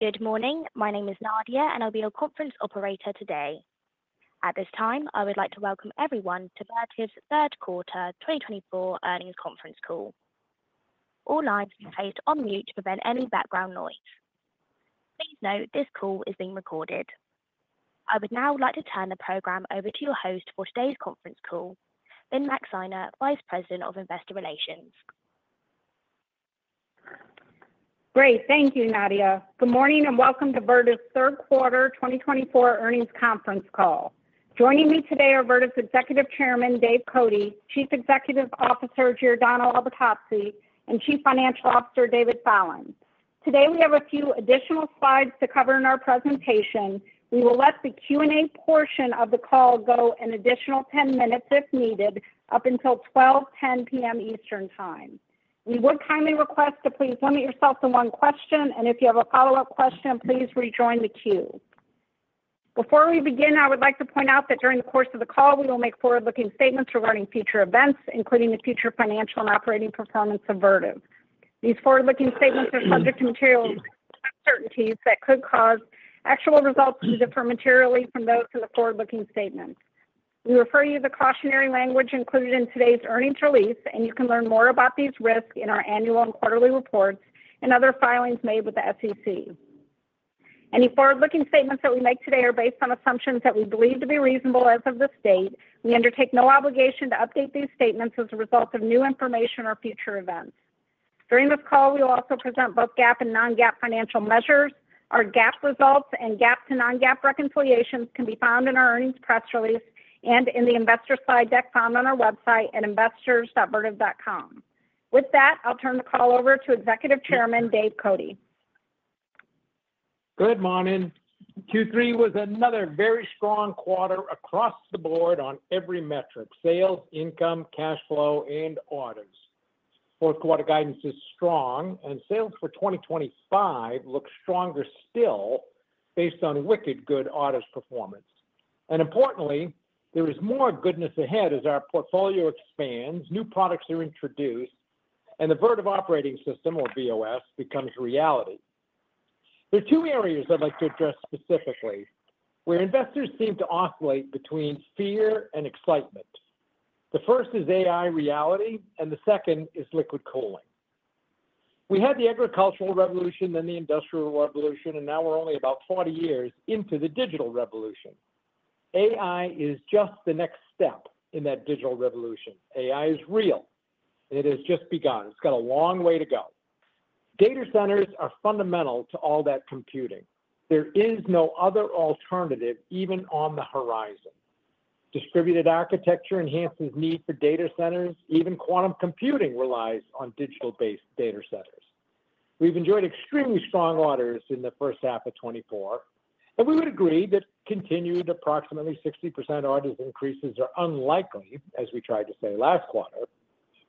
Good morning. My name is Nadia, and I'll be your conference operator today. At this time, I would like to welcome everyone to Vertiv's third quarter 2024 earnings conference call. All lines are placed on mute to prevent any background noise. Please note, this call is being recorded. I would now like to turn the program over to your host for today's conference call, Lynne Maxeiner, Vice President of Investor Relations. Great. Thank you, Nadia. Good morning, and welcome to Vertiv's third quarter 2024 earnings conference call. Joining me today are Vertiv's Executive Chairman, Dave Cote, Chief Executive Officer, Giordano Albertazzi, and Chief Financial Officer, David Fallon. Today, we have a few additional slides to cover in our presentation. We will let the Q&A portion of the call go an additional 10 minutes if needed, up until 12:10 P.M. Eastern Time. We would kindly request to please limit yourself to one question, and if you have a follow-up question, please rejoin the queue. Before we begin, I would like to point out that during the course of the call, we will make forward-looking statements regarding future events, including the future financial and operating performance of Vertiv. These forward-looking statements are subject to material uncertainties that could cause actual results to differ materially from those in the forward-looking statements. We refer you to the cautionary language included in today's earnings release, and you can learn more about these risks in our annual and quarterly reports and other filings made with the SEC. Any forward-looking statements that we make today are based on assumptions that we believe to be reasonable as of this date. We undertake no obligation to update these statements as a result of new information or future events. During this call, we will also present both GAAP and non-GAAP financial measures. Our GAAP results and GAAP to non-GAAP reconciliations can be found in our earnings press release and in the investor slide deck found on our website at investors.vertiv.com. With that, I'll turn the call over to Executive Chairman, Dave Cote. Good morning. Q3 was another very strong quarter across the board on every metric: sales, income, cash flow, and orders. Fourth quarter guidance is strong, and sales for 2025 look stronger still based on wicked good orders performance, and importantly, there is more goodness ahead as our portfolio expands, new products are introduced, and the Vertiv Operating System, or VOS, becomes reality. There are two areas I'd like to address specifically, where investors seem to oscillate between fear and excitement. The first is AI reality, and the second is liquid cooling. We had the agricultural revolution, then the industrial revolution, and now we're only about 40 years into the digital revolution. AI is just the next step in that digital revolution. AI is real, and it has just begun. It's got a long way to go. Data centers are fundamental to all that computing. There is no other alternative, even on the horizon. Distributed architecture enhances need for data centers. Even quantum computing relies on digital-based data centers. We've enjoyed extremely strong orders in the first half of 2024, and we would agree that continued approximately 60% orders increases are unlikely, as we tried to say last quarter.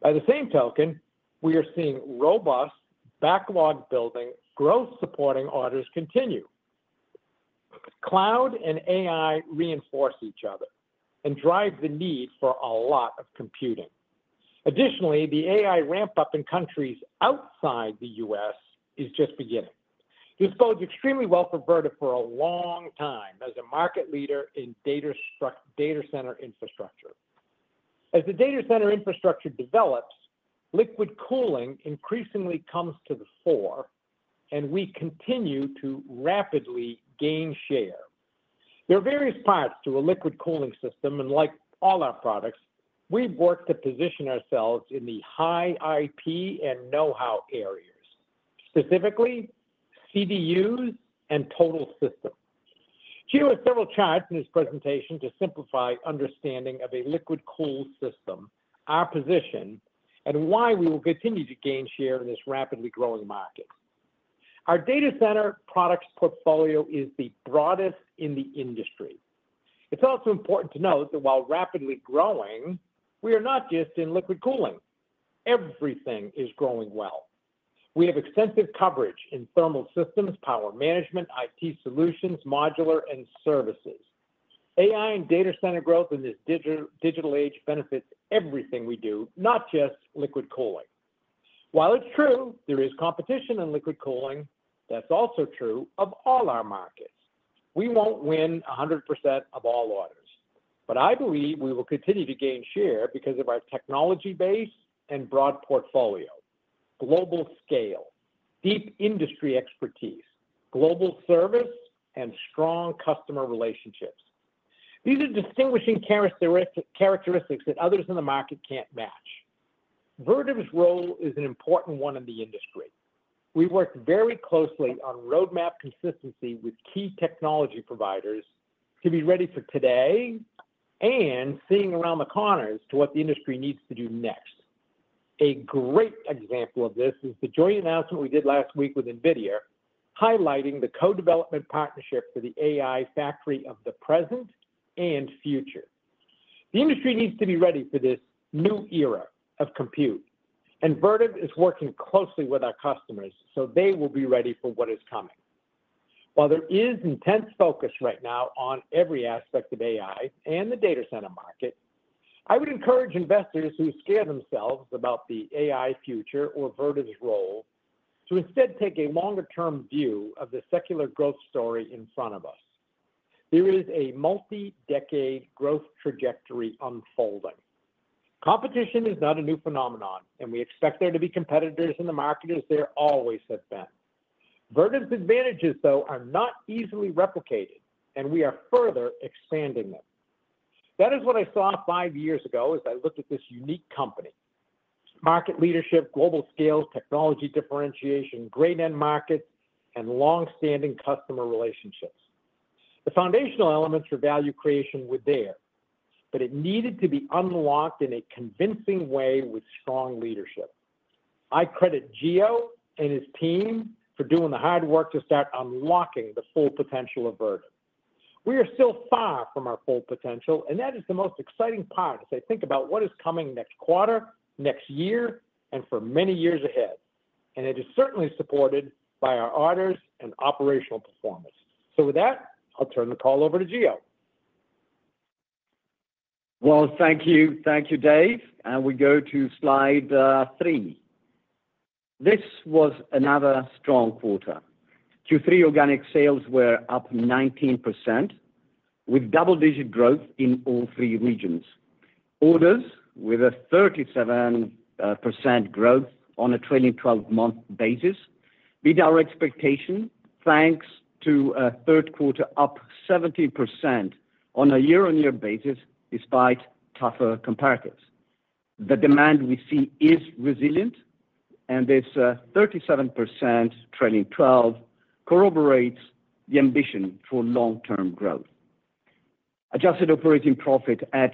By the same token, we are seeing robust, backlog building, growth supporting orders continue. Cloud and AI reinforce each other and drive the need for a lot of computing. Additionally, the AI ramp-up in countries outside the U.S. is just beginning. This bodes extremely well for Vertiv for a long time as a market leader in data center infrastructure. As the data center infrastructure develops, liquid cooling increasingly comes to the fore, and we continue to rapidly gain share. There are various parts to a liquid cooling system, and like all our products, we've worked to position ourselves in the high IP and know-how areas, specifically CDUs and total system. Here are several charts in this presentation to simplify understanding of a liquid cooling system, our position, and why we will continue to gain share in this rapidly growing market. Our data center products portfolio is the broadest in the industry. It's also important to note that while rapidly growing, we are not just in liquid cooling. Everything is growing well. We have extensive coverage in thermal systems, power management, IT solutions, modular, and services. AI and data center growth in this digital age benefits everything we do, not just liquid cooling. While it's true, there is competition in liquid cooling, that's also true of all our markets. We won't win 100% of all orders, but I believe we will continue to gain share because of our technology base and broad portfolio, global scale, deep industry expertise, global service, and strong customer relationships. These are distinguishing characteristics that others in the market can't match. Vertiv's role is an important one in the industry. We worked very closely on roadmap consistency with key technology providers to be ready for today and seeing around the corners to what the industry needs to do next. A great example of this is the joint announcement we did last week with NVIDIA, highlighting the co-development partnership for the AI factory of the present and future. The industry needs to be ready for this new era of compute, and Vertiv is working closely with our customers, so they will be ready for what is coming. While there is intense focus right now on every aspect of AI and the data center market ... I would encourage investors who scare themselves about the AI future or Vertiv's role, to instead take a longer term view of the secular growth story in front of us. There is a multi-decade growth trajectory unfolding. Competition is not a new phenomenon, and we expect there to be competitors in the market, as there always has been. Vertiv's advantages, though, are not easily replicated, and we are further expanding them. That is what I saw five years ago as I looked at this unique company: market leadership, global scale, technology differentiation, great end markets, and long-standing customer relationships. The foundational elements for value creation were there, but it needed to be unlocked in a convincing way with strong leadership. I credit Gio and his team for doing the hard work to start unlocking the full potential of Vertiv. We are still far from our full potential, and that is the most exciting part as I think about what is coming next quarter, next year, and for many years ahead, and it is certainly supported by our orders and operational performance. So with that, I'll turn the call over to Gio. Thank you. Thank you, Dave. And we go to slide three. This was another strong quarter. Q3 organic sales were up 19%, with double-digit growth in all three regions. Orders, with a 37% growth on a trailing twelve-month basis, beat our expectation, thanks to a third quarter up 17% on a year-on-year basis, despite tougher comparables. The demand we see is resilient, and this 37% trailing twelve corroborates the ambition for long-term growth. Adjusted operating profit at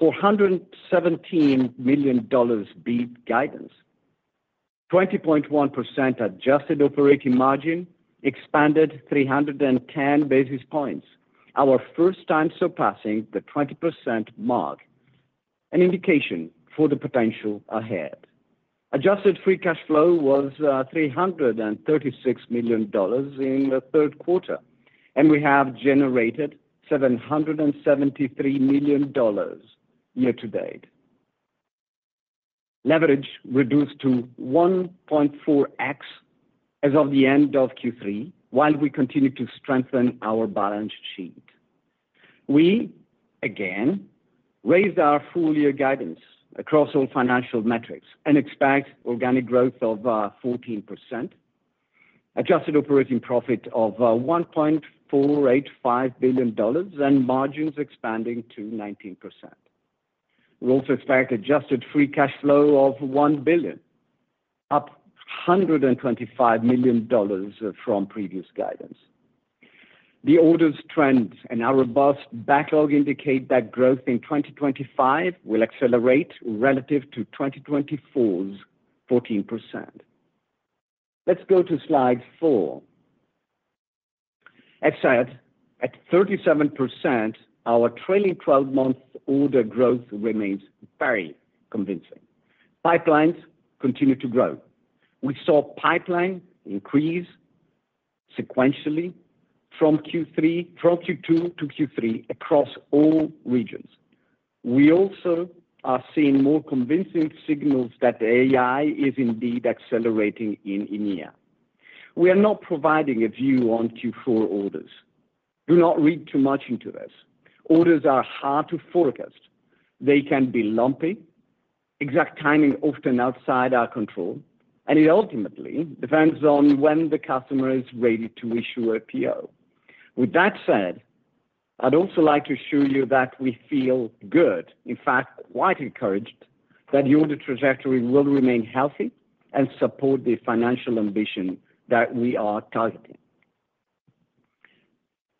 $417 million beat guidance. 20.1% adjusted operating margin expanded three hundred and ten basis points, our first time surpassing the 20% mark, an indication for the potential ahead. Adjusted free cash flow was $336 million in the third quarter, and we have generated $773 million year to date. Leverage reduced to 1.4x as of the end of Q3, while we continue to strengthen our balance sheet. We, again, raised our full year guidance across all financial metrics and expect organic growth of 14%, adjusted operating profit of $1.485 billion, and margins expanding to 19%. We also expect adjusted free cash flow of $1 billion, up $125 million from previous guidance. The orders trends and our robust backlog indicate that growth in 2025 will accelerate relative to 2024's 14%. Let's go to slide four. As said, at 37%, our trailing twelve-month order growth remains very convincing. Pipelines continue to grow. We saw pipeline increase sequentially from Q2 to Q3 across all regions. We also are seeing more convincing signals that the AI is indeed accelerating in EMEA. We are not providing a view on Q4 orders. Do not read too much into this. Orders are hard to forecast. They can be lumpy, exact timing often outside our control, and it ultimately depends on when the customer is ready to issue a PO. With that said, I'd also like to assure you that we feel good, in fact, quite encouraged, that the order trajectory will remain healthy and support the financial ambition that we are targeting.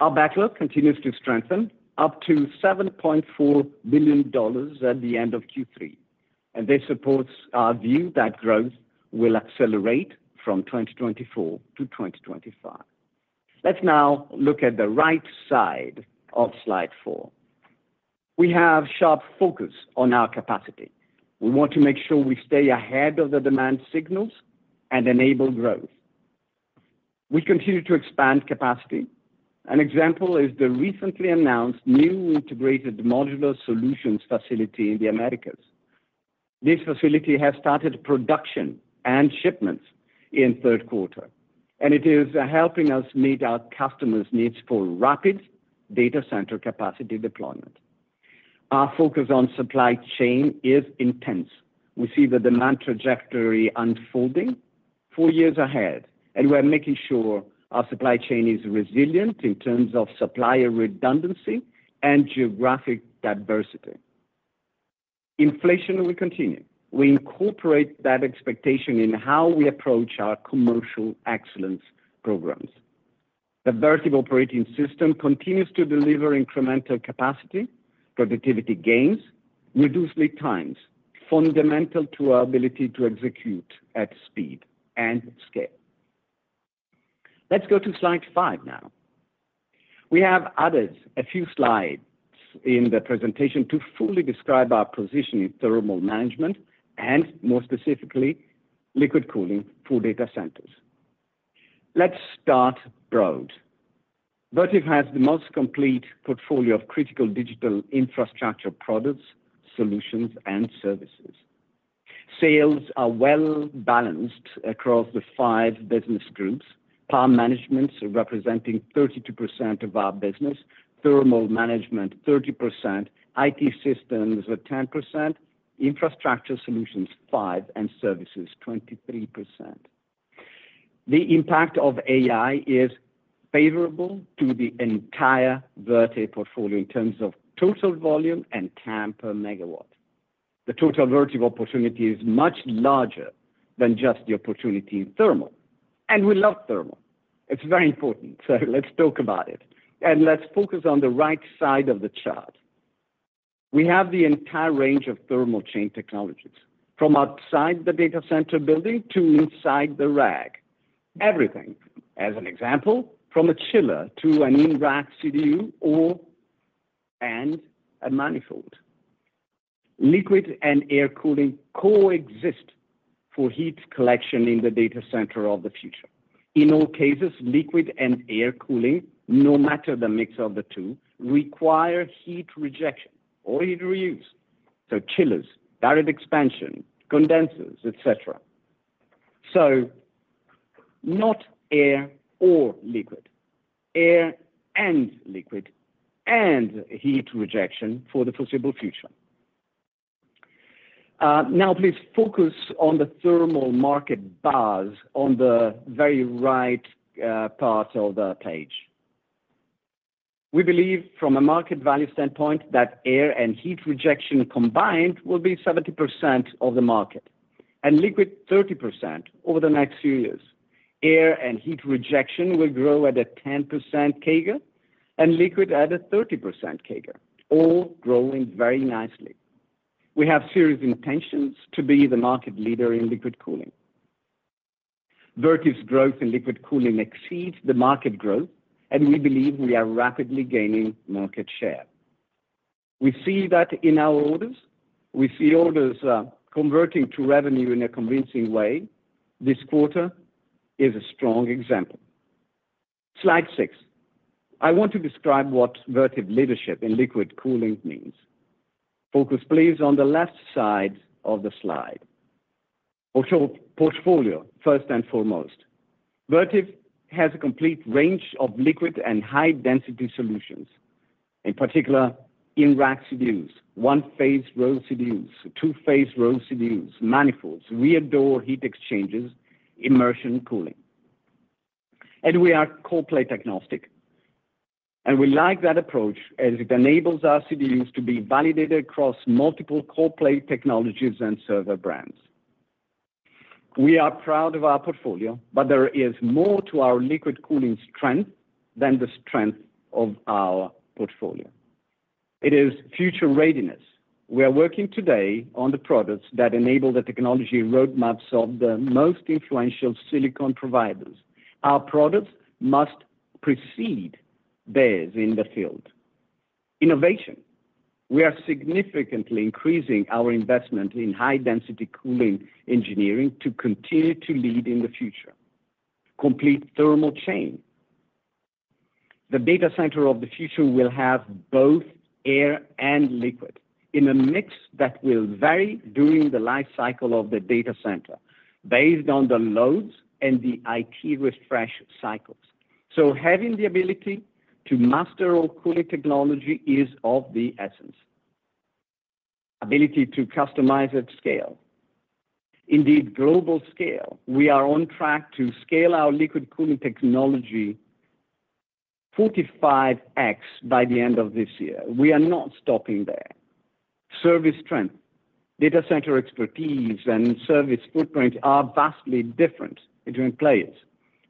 Our backlog continues to strengthen, up to $7.4 billion at the end of Q3, and this supports our view that growth will accelerate from 2024 to 2025. Let's now look at the right side of slide four. We have sharp focus on our capacity. We want to make sure we stay ahead of the demand signals and enable growth. We continue to expand capacity. An example is the recently announced new integrated modular solutions facility in the Americas. This facility has started production and shipments in third quarter, and it is helping us meet our customers' needs for rapid data center capacity deployment. Our focus on supply chain is intense. We see the demand trajectory unfolding four years ahead, and we are making sure our supply chain is resilient in terms of supplier redundancy and geographic diversity. Inflation will continue. We incorporate that expectation in how we approach our commercial excellence programs. The Vertiv Operating System continues to deliver incremental capacity, productivity gains, reduced lead times, fundamental to our ability to execute at speed and scale. Let's go to slide five now. We have added a few slides in the presentation to fully describe our position in thermal management and more specifically, liquid cooling for data centers. Let's start broad. Vertiv has the most complete portfolio of critical digital infrastructure products, solutions, and services. Sales are well-balanced across the five business groups. Power management representing 32% of our business, thermal management 30%, IT systems are 10%, infrastructure solutions 5%, and services 23%. The impact of AI is favorable to the entire Vertiv portfolio in terms of total volume and TAM per megawatt. The total Vertiv opportunity is much larger than just the opportunity in thermal, and we love thermal. It's very important, so let's talk about it, and let's focus on the right side of the chart. We have the entire range of thermal chain technologies, from outside the data center building to inside the rack. Everything, as an example, from a chiller to an in-rack CDU or, and a manifold. Liquid and air cooling coexist for heat collection in the data center of the future. In all cases, liquid and air cooling, no matter the mix of the two, require heat rejection or heat reuse, so chillers, direct expansion, condensers, et cetera. So not air or liquid, air and liquid, and heat rejection for the foreseeable future. Now, please focus on the thermal market bars on the very right part of the page. We believe, from a market value standpoint, that air and heat rejection combined will be 70% of the market and liquid, 30%, over the next few years. Air and heat rejection will grow at a 10% CAGR, and liquid at a 30% CAGR, all growing very nicely. We have serious intentions to be the market leader in liquid cooling. Vertiv's growth in liquid cooling exceeds the market growth, and we believe we are rapidly gaining market share. We see that in our orders. We see orders converting to revenue in a convincing way. This quarter is a strong example. Slide six. I want to describe what Vertiv leadership in liquid cooling means. Focus, please, on the left side of the slide. So portfolio, first and foremost, Vertiv has a complete range of liquid and high-density solutions. In particular, in-rack CDUs, one-phase row CDUs, two-phase row CDUs, manifolds, rear door heat exchangers, immersion cooling. And we are cold plate agnostic, and we like that approach as it enables our CDUs to be validated across multiple cold plate technologies and server brands. We are proud of our portfolio, but there is more to our liquid cooling strength than the strength of our portfolio. It is future readiness. We are working today on the products that enable the technology roadmaps of the most influential silicon providers. Our products must precede theirs in the field. Innovation. We are significantly increasing our investment in high-density cooling engineering to continue to lead in the future. Complete thermal chain. The data center of the future will have both air and liquid in a mix that will vary during the life cycle of the data center, based on the loads and the IT refresh cycles. So having the ability to master all cooling technology is of the essence. Ability to customize at scale. Indeed, global scale. We are on track to scale our liquid cooling technology 45x by the end of this year. We are not stopping there. Service strength. Data center expertise and service footprint are vastly different between players.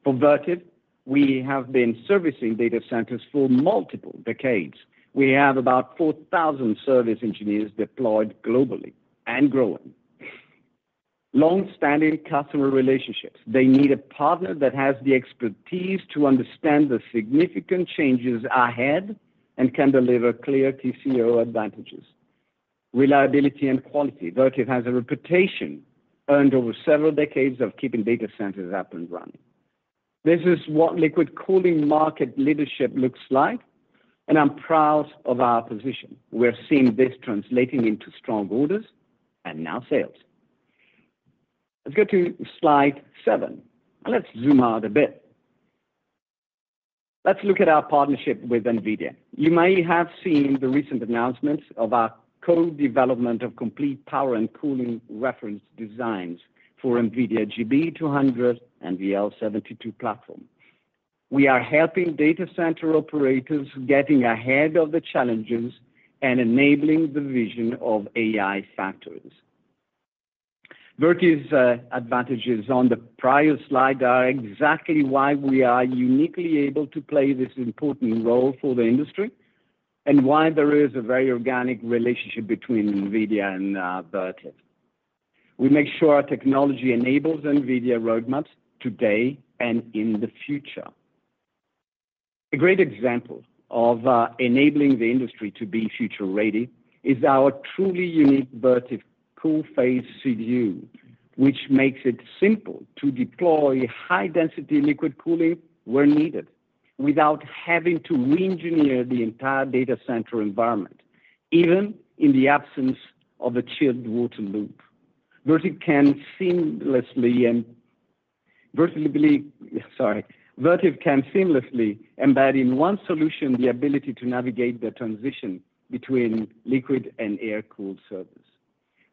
For Vertiv, we have been servicing data centers for multiple decades. We have about 4,000 service engineers deployed globally and growing. Long-standing customer relationships. They need a partner that has the expertise to understand the significant changes ahead and can deliver clear TCO advantages. Reliability and quality. Vertiv has a reputation, earned over several decades, of keeping data centers up and running. This is what liquid cooling market leadership looks like, and I'm proud of our position. We're seeing this translating into strong orders and now sales. Let's go to slide seven, and let's zoom out a bit. Let's look at our partnership with NVIDIA. You may have seen the recent announcements of our co-development of complete power and cooling reference designs for NVIDIA GB200 NVL72 platform. We are helping data center operators getting ahead of the challenges and enabling the vision of AI factories. Vertiv's advantages on the prior slide are exactly why we are uniquely able to play this important role for the industry and why there is a very organic relationship between NVIDIA and Vertiv. We make sure our technology enables NVIDIA roadmaps today and in the future. A great example of enabling the industry to be future-ready is our truly unique Vertiv CoolPhase CDU, which makes it simple to deploy high-density liquid cooling where needed, without having to reengineer the entire data center environment, even in the absence of a chilled water loop. Vertiv can seamlessly embed in one solution the ability to navigate the transition between liquid and air-cooled servers.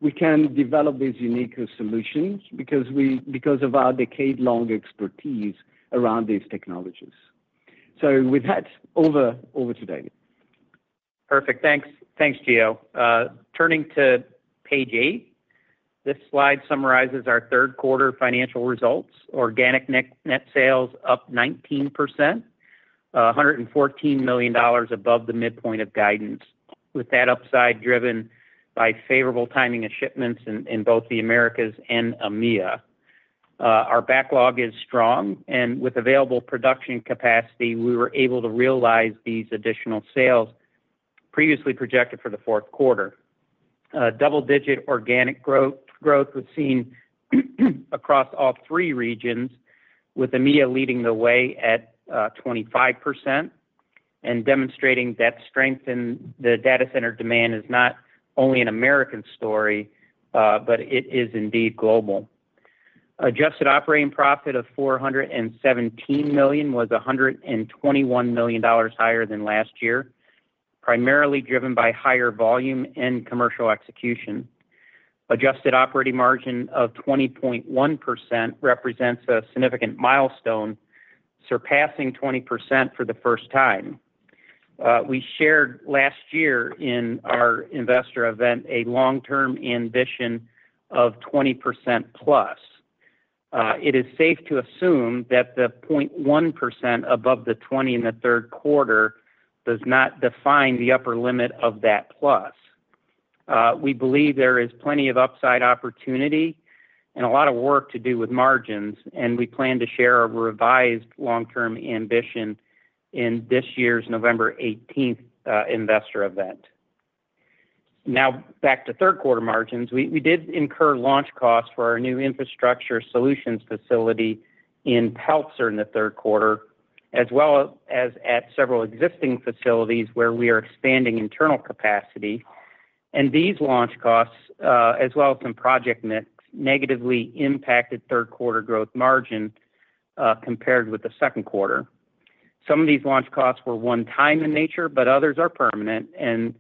We can develop these unique solutions because of our decade-long expertise around these technologies. With that, over to David. Perfect. Thanks. Thanks, Gio. Turning to page eight, this slide summarizes our third quarter financial results. Organic net sales up 19%, $114 million above the midpoint of guidance, with that upside driven by favorable timing of shipments in both the Americas and EMEA. Our backlog is strong, and with available production capacity, we were able to realize these additional sales previously projected for the fourth quarter. Double-digit organic growth was seen across all three regions, with EMEA leading the way at 25% and demonstrating that strength in the data center demand is not only an American story, but it is indeed global. Adjusted operating profit of $417 million was $121 million higher than last year, primarily driven by higher volume and commercial execution. Adjusted operating margin of 20.1% represents a significant milestone, surpassing 20% for the first time. We shared last year in our investor event a long-term ambition of 20% plus. It is safe to assume that the 0.1% above the 20% in the third quarter does not define the upper limit of that plus. We believe there is plenty of upside opportunity and a lot of work to do with margins, and we plan to share a revised long-term ambition in this year's November 18th investor event. Now, back to third quarter margins. We did incur launch costs for our new infrastructure solutions facility in Pelzer in the third quarter, as well as at several existing facilities where we are expanding internal capacity. These launch costs, as well as some project mix, negatively impacted third quarter gross margin, compared with the second quarter. Some of these launch costs were one-time in nature, but others are permanent, and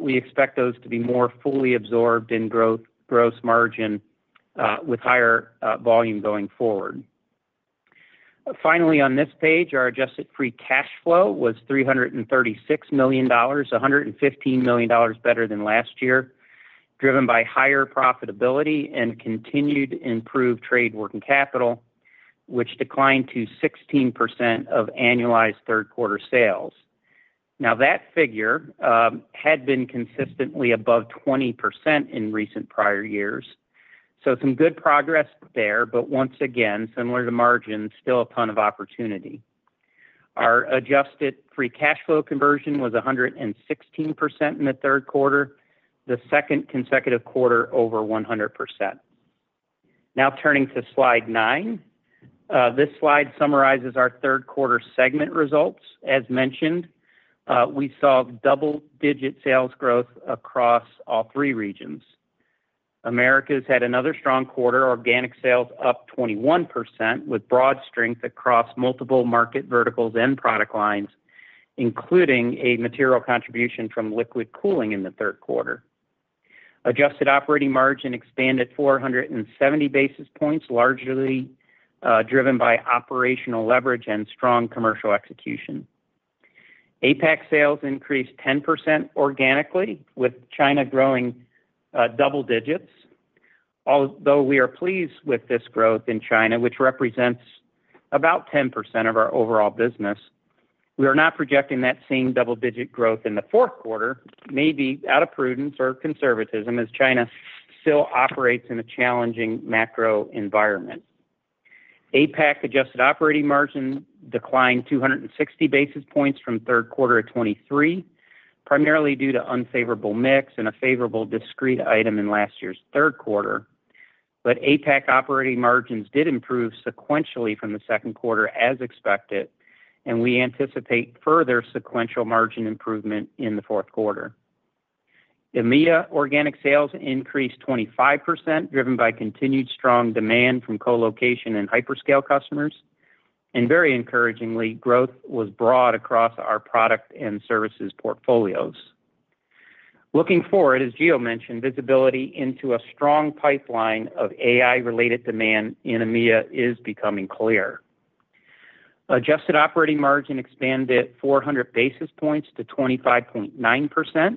we expect those to be more fully absorbed in gross margin with higher volume going forward. Finally, on this page, our adjusted free cash flow was $336 million, $115 million better than last year, driven by higher profitability and continued improved trade working capital, which declined to 16% of annualized third quarter sales. Now, that figure had been consistently above 20% in recent prior years, so some good progress there, but once again, similar to margin, still a ton of opportunity. Our adjusted free cash flow conversion was 116% in the third quarter, the second consecutive quarter over 100%. Now turning to slide 9. This slide summarizes our third quarter segment results. As mentioned, we saw double-digit sales growth across all three regions. Americas had another strong quarter, organic sales up 21%, with broad strength across multiple market verticals and product lines, including a material contribution from liquid cooling in the third quarter. Adjusted operating margin expanded 470 basis points, largely driven by operational leverage and strong commercial execution. APAC sales increased 10% organically, with China growing double digits. Although we are pleased with this growth in China, which represents about 10% of our overall business, we are not projecting that same double-digit growth in the fourth quarter, maybe out of prudence or conservatism, as China still operates in a challenging macro environment. APAC adjusted operating margin declined 260 basis points from third quarter of 2023, primarily due to unfavorable mix and a favorable discrete item in last year's third quarter. But APAC operating margins did improve sequentially from the second quarter as expected, and we anticipate further sequential margin improvement in the fourth quarter. EMEA organic sales increased 25%, driven by continued strong demand from colocation and hyperscale customers, and very encouragingly, growth was broad across our product and services portfolios. Looking forward, as Gio mentioned, visibility into a strong pipeline of AI-related demand in EMEA is becoming clear. Adjusted operating margin expanded four hundred basis points to 25.9%,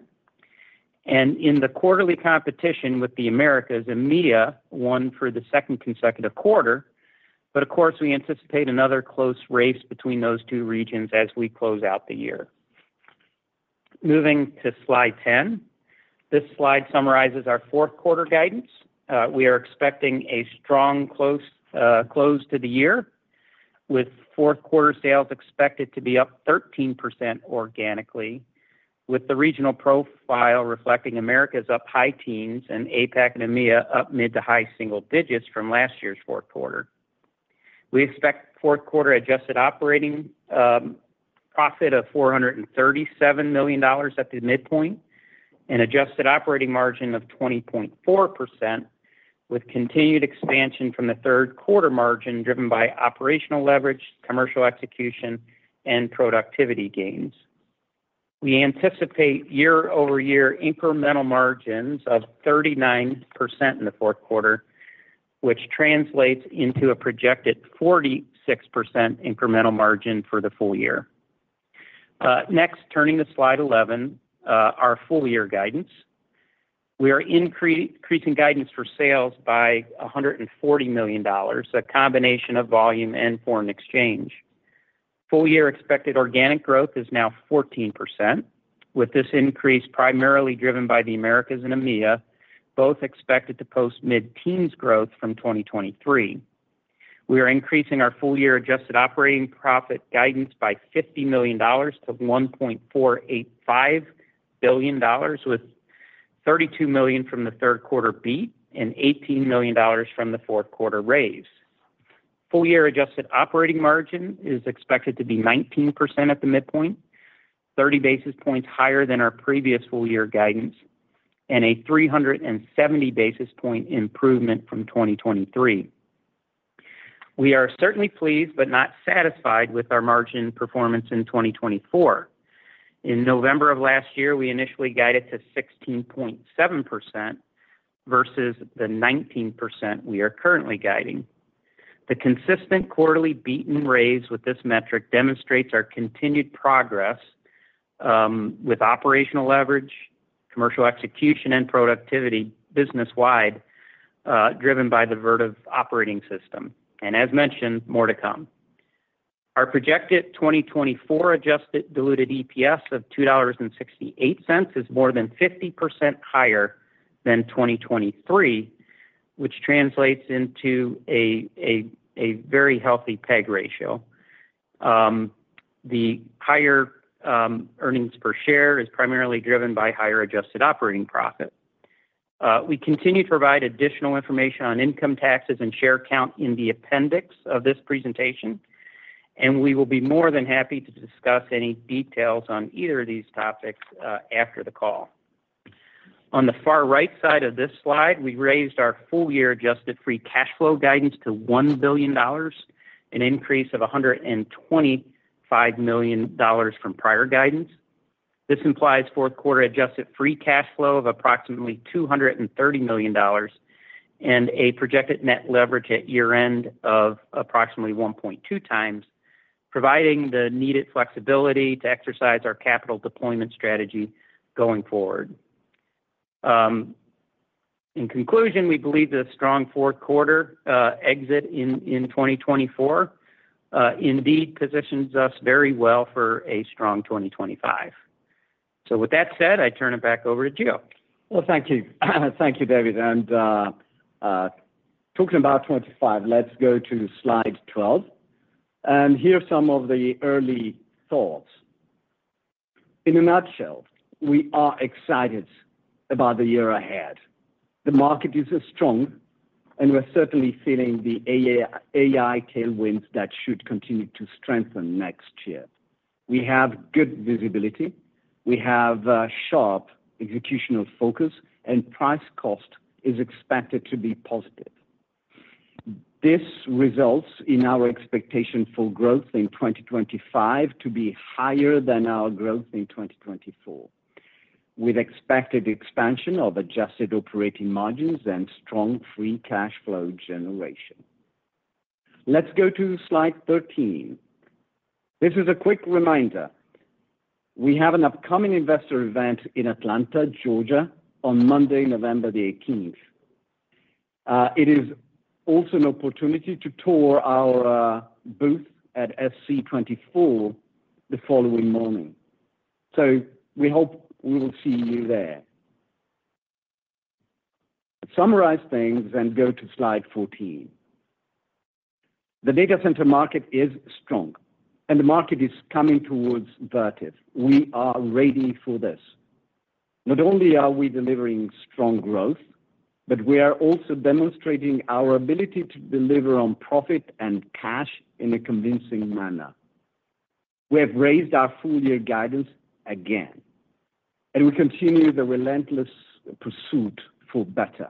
and in the quarterly competition with the Americas, EMEA won for the second consecutive quarter. But of course, we anticipate another close race between those two regions as we close out the year. Moving to slide 10. This slide summarizes our fourth quarter guidance. We are expecting a strong close, close to the year, with fourth quarter sales expected to be up 13% organically, with the regional profile reflecting Americas up high teens and APAC and EMEA up mid to high single digits from last year's fourth quarter. We expect fourth quarter adjusted operating profit of $437 million at the midpoint, an adjusted operating margin of 20.4%, with continued expansion from the third quarter margin, driven by operational leverage, commercial execution, and productivity gains. We anticipate year-over-year incremental margins of 39% in the fourth quarter, which translates into a projected 46% incremental margin for the full year. Next, turning to slide eleven, our full year guidance. We are increasing guidance for sales by $140 million, a combination of volume and foreign exchange. Full year expected organic growth is now 14%, with this increase primarily driven by the Americas and EMEA, both expected to post mid-teens growth from 2023. We are increasing our full year adjusted operating profit guidance by $50 million to $1.485 billion, with $32 million from the third quarter beat and $18 million from the fourth quarter raise. Full year adjusted operating margin is expected to be 19% at the midpoint, 30 basis points higher than our previous full year guidance, and a 370 basis point improvement from 2023. We are certainly pleased but not satisfied with our margin performance in 2024. In November of last year, we initially guided to 16.7% versus the 19% we are currently guiding. The consistent quarterly beat and raise with this metric demonstrates our continued progress with operational leverage, commercial execution, and productivity business-wide, driven by the Vertiv operating system, and as mentioned, more to come. Our projected 2024 adjusted diluted EPS of $2.68 is more than 50% higher than 2023, which translates into a very healthy PEG ratio. The higher earnings per share is primarily driven by higher adjusted operating profit. We continue to provide additional information on income taxes and share count in the appendix of this presentation, and we will be more than happy to discuss any details on either of these topics after the call. On the far right side of this slide, we raised our full-year adjusted free cash flow guidance to $1 billion, an increase of $125 million from prior guidance. This implies fourth quarter adjusted free cash flow of approximately $230 million and a projected net leverage at year-end of approximately 1.2 times, providing the needed flexibility to exercise our capital deployment strategy going forward. In conclusion, we believe that a strong fourth quarter exit in 2024 indeed positions us very well for a strong 2025. So with that said, I turn it back over to Gio. Thank you. Thank you, David. Talking about 2025, let's go to slide 12, and here are some of the early thoughts. In a nutshell, we are excited about the year ahead. The market is strong, and we're certainly feeling the AI tailwinds that should continue to strengthen next year. We have good visibility, we have sharp executional focus, and price cost is expected to be positive. This results in our expectation for growth in 2025 to be higher than our growth in 2024, with expected expansion of adjusted operating margins and strong free cash flow generation. Let's go to slide 13. This is a quick reminder. We have an upcoming investor event in Atlanta, Georgia, on Monday, November 18th. It is also an opportunity to tour our booth at SC24 the following morning. So we hope we will see you there. Summarize things and go to slide 14. The data center market is strong, and the market is coming towards Vertiv. We are ready for this. Not only are we delivering strong growth, but we are also demonstrating our ability to deliver on profit and cash in a convincing manner. We have raised our full year guidance again, and we continue the relentless pursuit for better.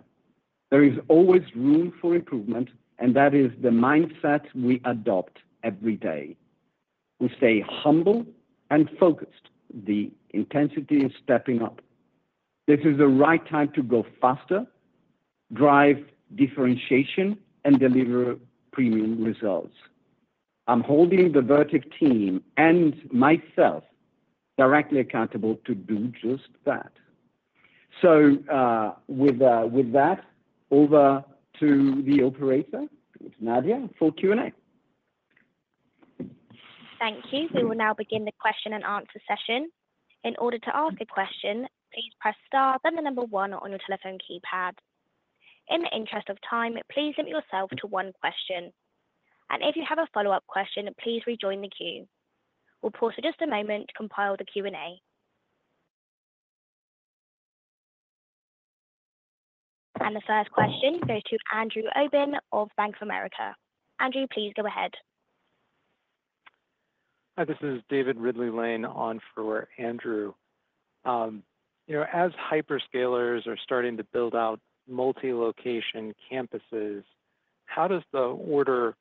There is always room for improvement, and that is the mindset we adopt every day. We stay humble and focused. The intensity is stepping up. This is the right time to go faster, drive differentiation, and deliver premium results. I'm holding the Vertiv team and myself directly accountable to do just that. So, with that, over to the operator, Nadia, for Q&A. Thank you. We will now begin the question and answer session. In order to ask a question, please press star, then the number one on your telephone keypad. In the interest of time, please limit yourself to one question. And if you have a follow-up question, please rejoin the queue. We'll pause for just a moment to compile the Q&A. And the first question goes to Andrew Obin of Bank of America. Andrew, please go ahead. Hi, this is David Ridley-Lane on for Andrew. You know, as hyperscalers are starting to build out multi-location campuses, how does the order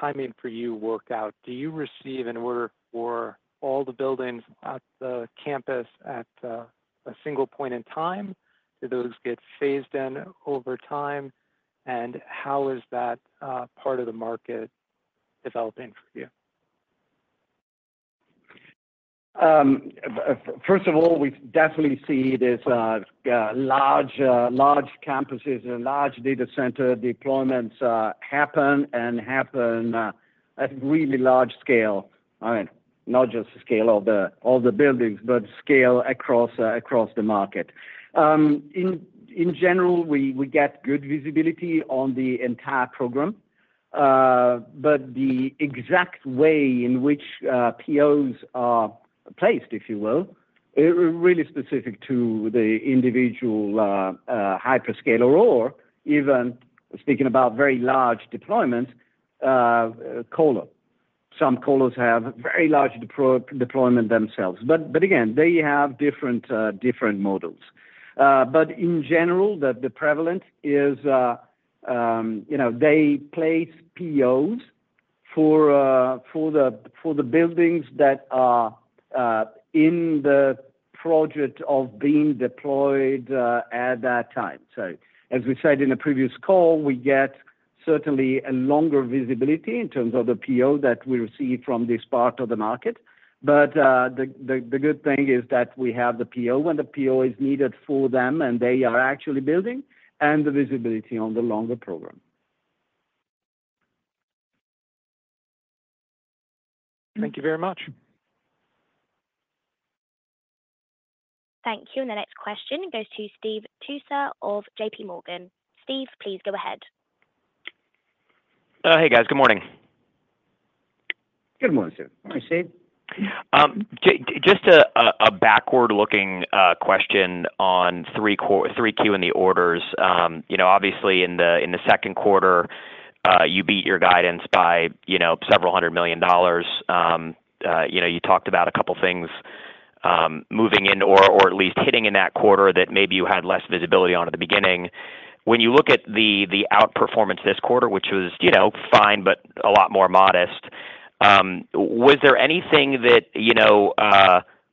timing for you work out? Do you receive an order for all the buildings at the campus at a single point in time? Do those get phased in over time, and how is that part of the market developing for you? First of all, we definitely see this large campuses and large data center deployments happen at really large scale. I mean, not just the scale of the buildings, but scale across the market. In general, we get good visibility on the entire program, but the exact way in which POs are placed, if you will, is really specific to the individual hyperscaler or even speaking about very large deployments, colo. Some colos have very large deployment themselves, but again, they have different models. But in general, the prevalent is, you know, they place POs for the buildings that are in the project of being deployed at that time. So as we said in a previous call, we get certainly a longer visibility in terms of the PO that we receive from this part of the market. But, the good thing is that we have the PO when the PO is needed for them, and they are actually building and the visibility on the longer program. Thank you very much. Thank you. And the next question goes to Steve Tusa of J.P. Morgan. Steve, please go ahead. Hey, guys. Good morning. Good morning, Steve. Hi, Steve. Just a backward-looking question on 3Q and the orders. You know, obviously in the second quarter, you beat your guidance by, you know, $several hundred million. You know, you talked about a couple of things moving in or at least hitting in that quarter that maybe you had less visibility on at the beginning. When you look at the outperformance this quarter, which was, you know, fine, but a lot more modest, was there anything that, you know,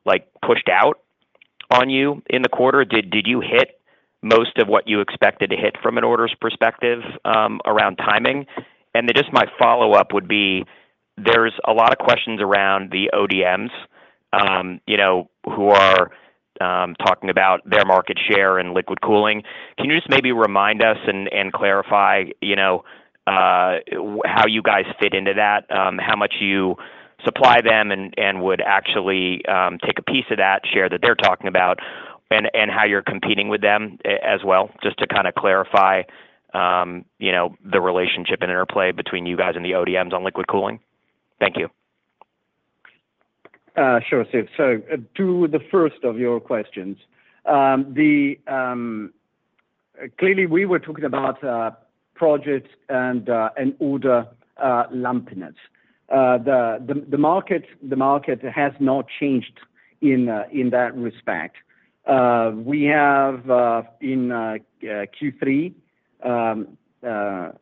like, pushed out on you in the quarter? Did you hit most of what you expected to hit from an orders perspective around timing? And then just my follow-up would be, there's a lot of questions around the ODMs, you know, who are talking about their market share and liquid cooling. Can you just maybe remind us and clarify, you know, how you guys fit into that, how much you supply them and would actually take a piece of that share that they're talking about, and how you're competing with them as well, just to kind of clarify, you know, the relationship and interplay between you guys and the ODMs on liquid cooling? Thank you. Sure, Steve. So to the first of your questions, the... Clearly, we were talking about projects and order lumpiness. The market has not changed in that respect. We have in Q3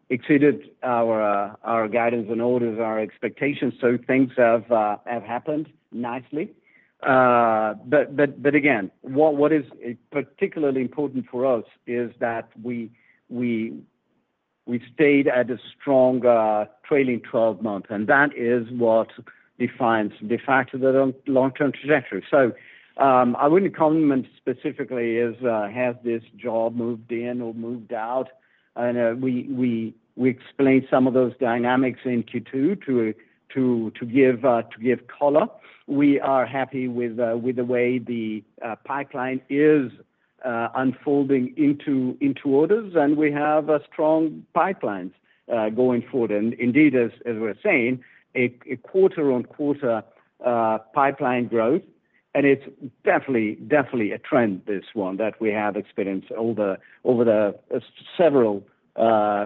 exceeded our guidance and orders our expectations, so things have happened nicely. But again, what is particularly important for us is that we stayed at a strong trailing twelve-month, and that is what defines de facto the long-term trajectory. So, I wouldn't comment specifically is has this job moved in or moved out? I know we explained some of those dynamics in Q2 to give color. We are happy with the way the pipeline is unfolding into orders, and we have a strong pipelines going forward. Indeed, as we're saying, a quarter-on-quarter pipeline growth, and it's definitely a trend, this one, that we have experienced over the several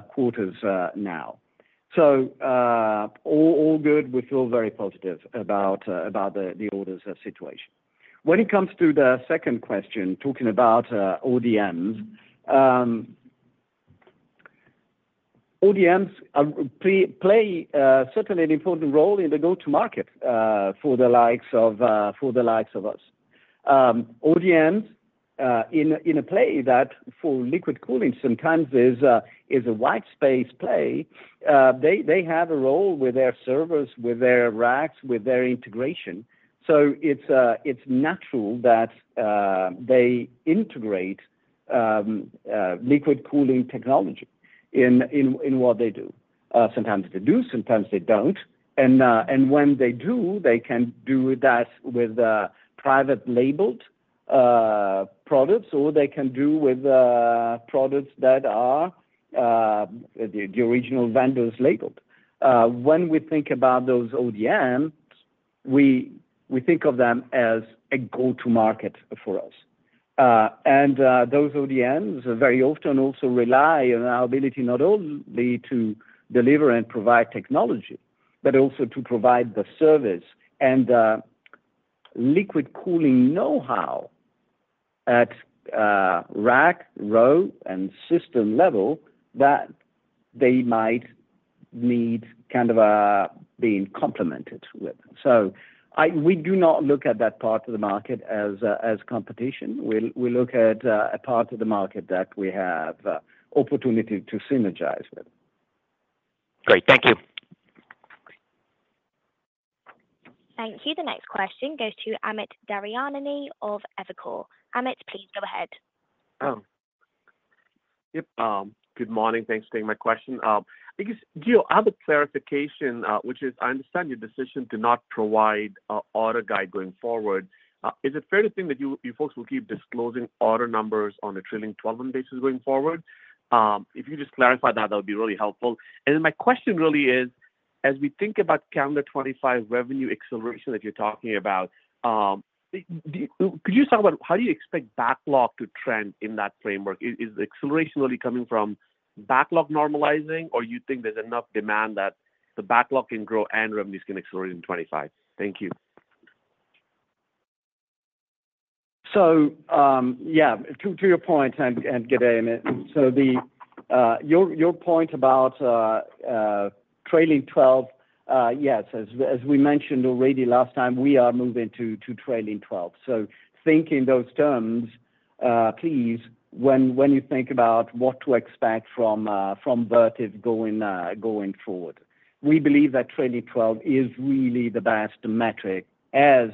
quarters now. So, all good. We feel very positive about the orders situation. When it comes to the second question, talking about ODMs, ODMs play certainly an important role in the go-to-market for the likes of us. ODMs in a play that for liquid cooling sometimes is a wide space play. They have a role with their servers, with their racks, with their integration. It's natural that they integrate liquid cooling technology in what they do. Sometimes they do, sometimes they don't. When they do, they can do that with private-labeled products, or they can do with products that are the original vendors labeled. When we think about those ODMs, we think of them as a go-to market for us. Those ODMs very often also rely on our ability not only to deliver and provide technology, but also to provide the service and liquid cooling know-how at rack, row, and system level that they might need being complemented with. We do not look at that part of the market as competition. We look at a part of the market that we have opportunity to synergize with. Great. Thank you. Thank you. The next question goes to Amit Daryanani of Evercore. Amit, please go ahead. Good morning. Thanks for taking my question. Because Gio, I have a clarification, which is, I understand your decision to not provide an order guide going forward. Is it fair to think that you, you folks will keep disclosing order numbers on a trailing twelve-month basis going forward? If you could just clarify that, that would be really helpful. And then my question really is, as we think about calendar 2025 revenue acceleration that you're talking about, could you talk about how you expect backlog to trend in that framework? Is, is the acceleration really coming from backlog normalizing, or you think there's enough demand that the backlog can grow and revenues can accelerate in 2025? Thank you. So, yeah, to your point, and good day, Amit. So, your point about trailing twelve, yes, as we mentioned already last time, we are moving to trailing twelve. So think in those terms, please, when you think about what to expect from Vertiv going forward. We believe that trailing twelve is really the best metric as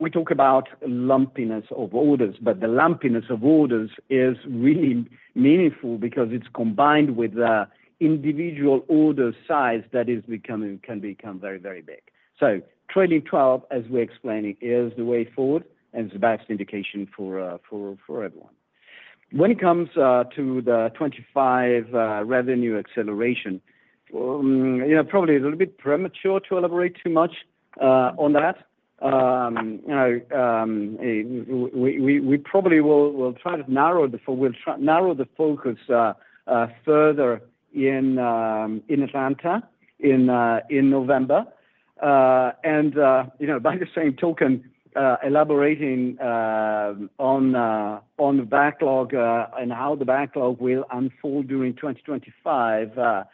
we talk about lumpiness of orders. But the lumpiness of orders is really meaningful because it's combined with the individual order size that is becoming can become very, very big. So trailing twelve, as we're explaining, is the way forward, and it's the best indication for everyone. When it comes to the 2025 revenue acceleration, you know, probably a little bit premature to elaborate too much on that. You know, we probably will try to narrow the focus further in Atlanta in November. You know, by the same token, elaborating on the backlog and how the backlog will unfold during 2025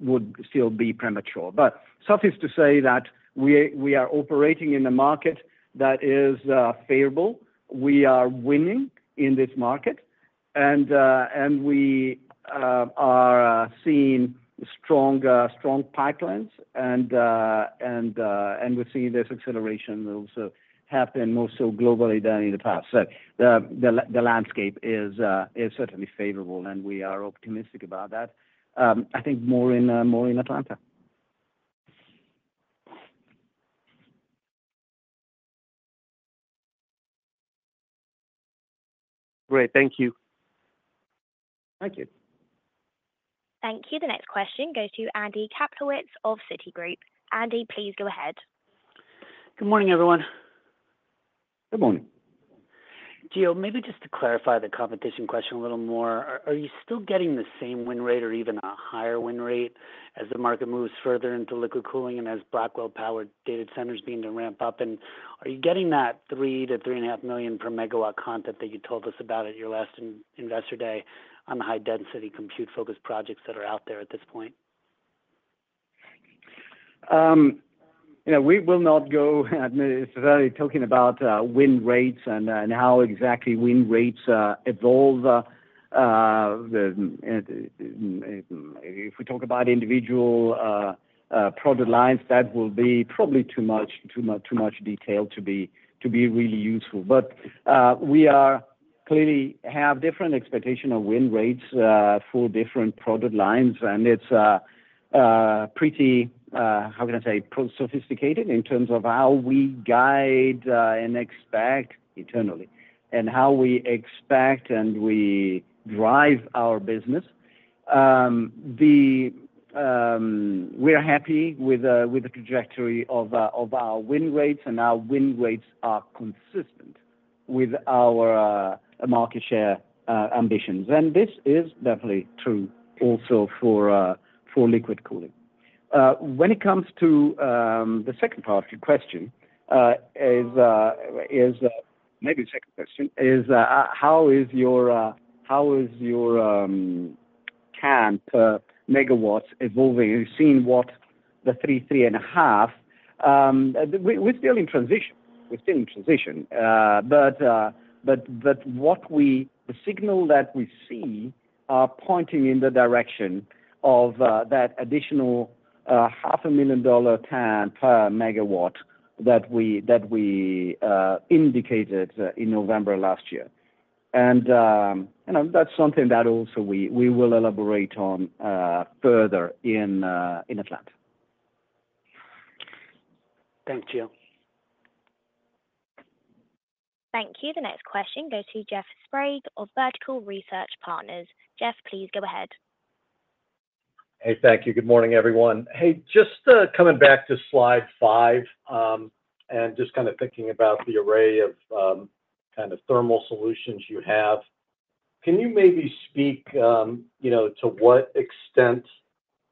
would still be premature. But suffice to say that we are operating in a market that is favorable. We are winning in this market, and we are seeing strong pipelines, and we're seeing this acceleration also happen more so globally than in the past. So the landscape is certainly favorable, and we are optimistic about that. I think more in Atlanta. Great. Thank you. Thank you. Thank you. The next question goes to Andy Kaplowitz of Citigroup. Andy, please go ahead. Good morning, everyone. Good morning. Gio, maybe just to clarify the competition question a little more. Are you still getting the same win rate or even a higher win rate as the market moves further into liquid cooling and as Blackwell-powered data centers begin to ramp up? And are you getting that $3-$3.5 million per megawatt content that you told us about at your last investor day on the high-density compute focus projects that are out there at this point? You know, we will not go necessarily talking about win rates and how exactly win rates evolve. If we talk about individual product lines, that will be probably too much detail to be really useful, but we are clearly have different expectation of win rates for different product lines, and it's pretty, how can I say, sophisticated in terms of how we guide and expect internally, and how we expect, and we drive our business. We're happy with the trajectory of our win rates, and our win rates are consistent with our market share ambitions, and this is definitely true also for liquid cooling. When it comes to the second part of your question, maybe the second question is how is your capacity megawatts evolving? You've seen what the three, three and a half. We're still in transition. We're still in transition. But the signals that we see are pointing in the direction of that additional $500,000 TAM per megawatt that we indicated in November last year. And you know, that's something that also we will elaborate on further in Atlanta. Thank you. Thank you. The next question goes to Jeff Sprague of Vertical Research Partners. Jeff, please go ahead. Hey, thank you. Good morning, everyone. Hey, just coming back to slide five, and just kind of thinking about the array of kind of thermal solutions you have. Can you maybe speak, you know, to what extent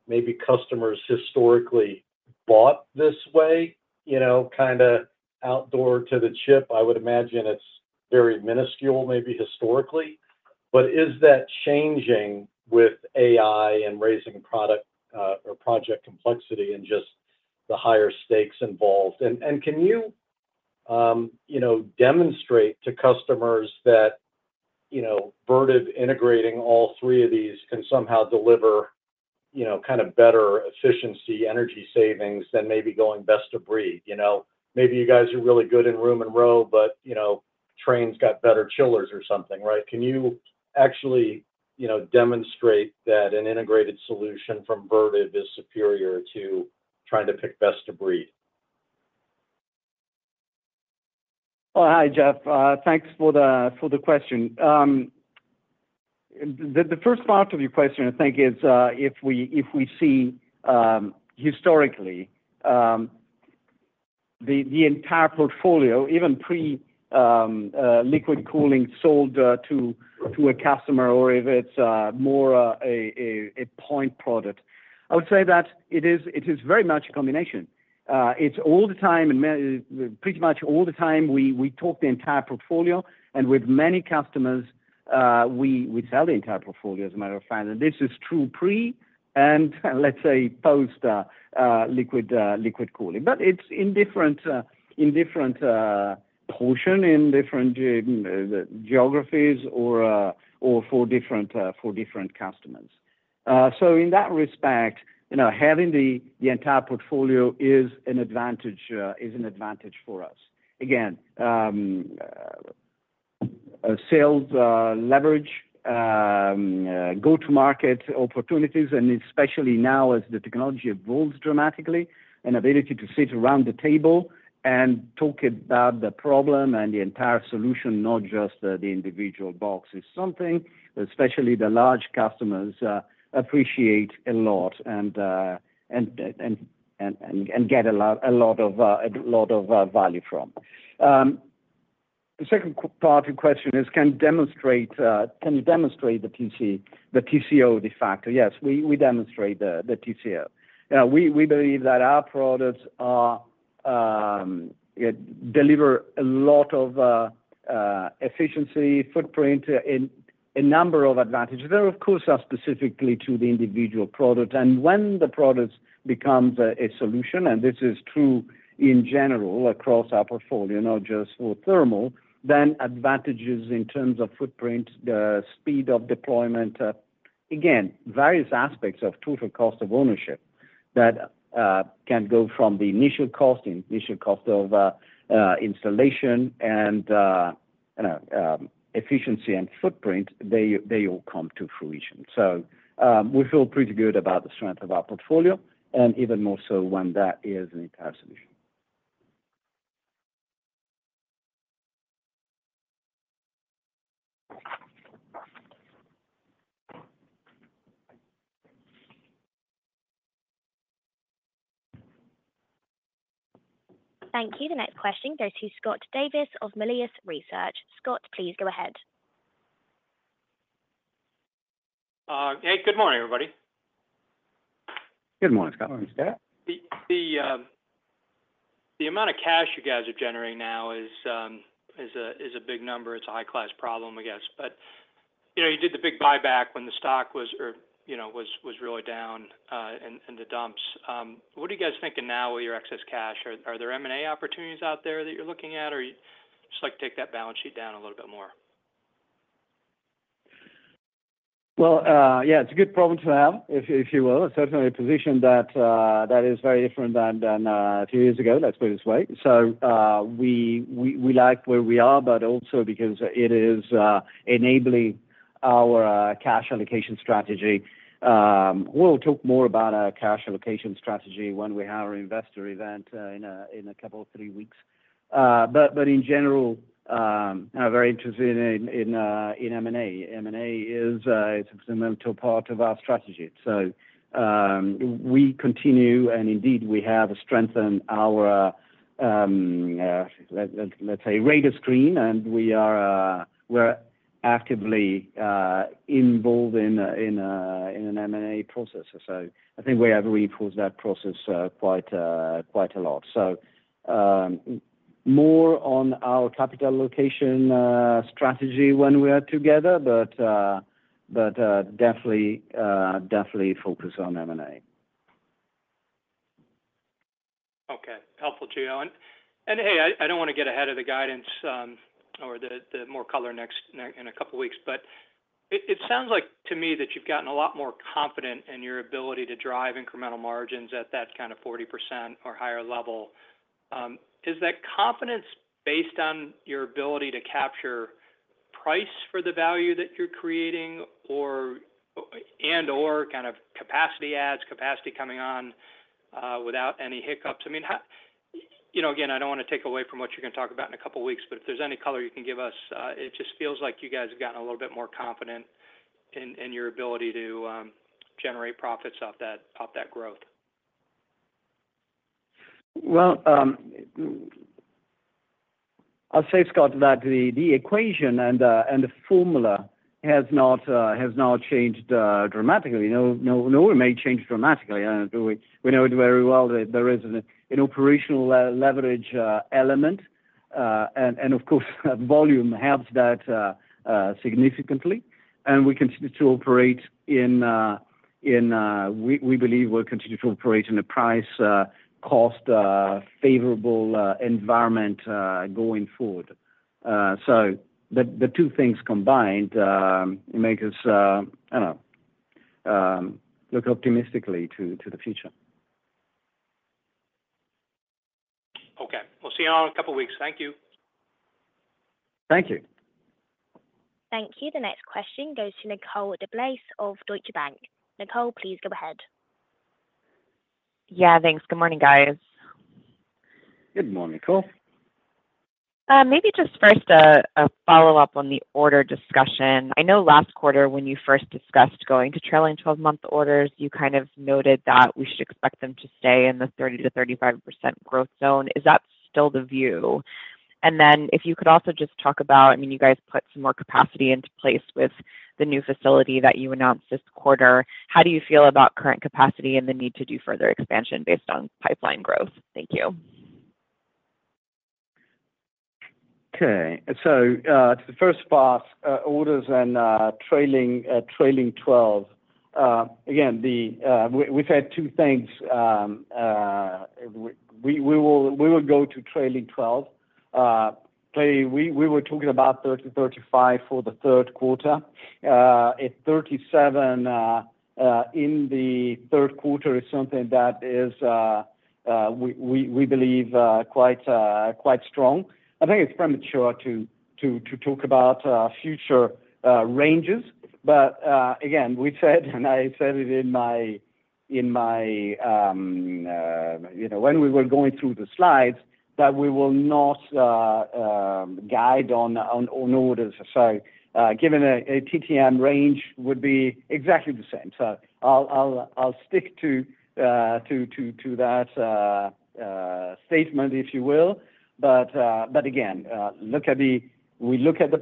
maybe customers historically bought this way, you know, kinda end-to-end to the chip? I would imagine it's very minuscule, maybe historically. But is that changing with AI and raising product or project complexity and just the higher stakes involved? And can you, you know, demonstrate to customers that, you know, Vertiv integrating all three of these can somehow deliver, you know, kind of better efficiency, energy savings than maybe going best of breed, you know? Maybe you guys are really good in room and row, but, you know, Trane's got better chillers or something, right? Can you actually, you know, demonstrate that an integrated solution from Vertiv is superior to trying to pick best of breed? Oh, hi, Jeff. Thanks for the question. The first part of your question, I think, is if we see historically the entire portfolio, even pre liquid cooling sold to a customer, or if it's more a point product. I would say that it is very much a combination. It's all the time, pretty much all the time, we talk the entire portfolio, and with many customers we sell the entire portfolio as a matter of fact. And this is true pre and, let's say, post liquid cooling. But it's in different portions in different geographies or for different customers. So in that respect, you know, having the entire portfolio is an advantage for us. Again, sales leverage, go-to-market opportunities, and especially now as the technology evolves dramatically, an ability to sit around the table and talk about the problem and the entire solution, not just the individual box, is something especially the large customers appreciate a lot and get a lot of value from. The second part of your question is, can you demonstrate the TCO, de facto? Yes, we demonstrate the TCO. We believe that our products deliver a lot of efficiency, footprint, a number of advantages. There, of course, are specifically to the individual product, and when the product becomes a solution, and this is true in general across our portfolio, not just for thermal, then advantages in terms of footprint, the speed of deployment, again, various aspects of total cost of ownership that can go from the initial cost of installation and you know, efficiency and footprint, they all come to fruition. So, we feel pretty good about the strength of our portfolio, and even more so when that is an entire solution. Thank you. The next question goes to Scott Davis of Melius Research. Scott, please go ahead. Hey, good morning, everybody. Good morning, Scott. The amount of cash you guys are generating now is a big number. It's a high-class problem, I guess. But, you know, you did the big buyback when the stock was, you know, really down in the dumps. What are you guys thinking now with your excess cash? Are there M&A opportunities out there that you're looking at, or you just, like, take that balance sheet down a little bit more? Well, yeah, it's a good problem to have, if you will. It's certainly a position that is very different than two years ago, let's put it this way. So, we like where we are, but also because it is enabling our cash allocation strategy. We'll talk more about our cash allocation strategy when we have our investor event in a couple of three weeks. But in general, I'm very interested in M&A. M&A is a substantial part of our strategy. So, we continue, and indeed, we have strengthened our radar screen, and we're actively involved in an M&A process. So I think we have reinforced that process quite a lot. More on our capital allocation strategy when we are together, but definitely focus on M&A.... Okay, helpful, Gio. And hey, I don't wanna get ahead of the guidance, or the more color next, in a couple of weeks, but it sounds like to me that you've gotten a lot more confident in your ability to drive incremental margins at that kind of 40% or higher level. Is that confidence based on your ability to capture price for the value that you're creating, or kind of capacity adds, capacity coming on, without any hiccups? I mean, how? You know, again, I don't wanna take away from what you're gonna talk about in a couple of weeks, but if there's any color you can give us, it just feels like you guys have gotten a little bit more confident in your ability to generate profits off that growth. I'll say, Scott, that the equation and the formula has not changed dramatically. You know, no, it may change dramatically, and we know it very well that there is an operational leverage element, and of course, volume helps that significantly, and we continue to operate in, we believe we'll continue to operate in a price-cost favorable environment going forward, so the two things combined make us, I don't know, look optimistically to the future. Okay. We'll see you all in a couple of weeks. Thank you. Thank you. Thank you. The next question goes to Nicole DeBlase of Deutsche Bank. Nicole, please go ahead. Yeah, thanks. Good morning, guys. Good morning, Nicole. Maybe just first, a follow-up on the order discussion. I know last quarter, when you first discussed going to trailing twelve-month orders, you kind of noted that we should expect them to stay in the 30%-35% growth zone. Is that still the view? And then if you could also just talk about, I mean, you guys put some more capacity into place with the new facility that you announced this quarter. How do you feel about current capacity and the need to do further expansion based on pipeline growth? Thank you. Okay. So, to the first part, orders and trailing twelve. Again, we said two things. We will go to trailing twelve. Clearly, we were talking about 30-35 for the third quarter. At 37 in the third quarter is something that we believe quite strong. I think it's premature to talk about future ranges, but again, we said, and I said it in my, you know, when we were going through the slides, that we will not guide on orders. So, giving a TTM range would be exactly the same. So I'll stick to that statement, if you will. But again, look at the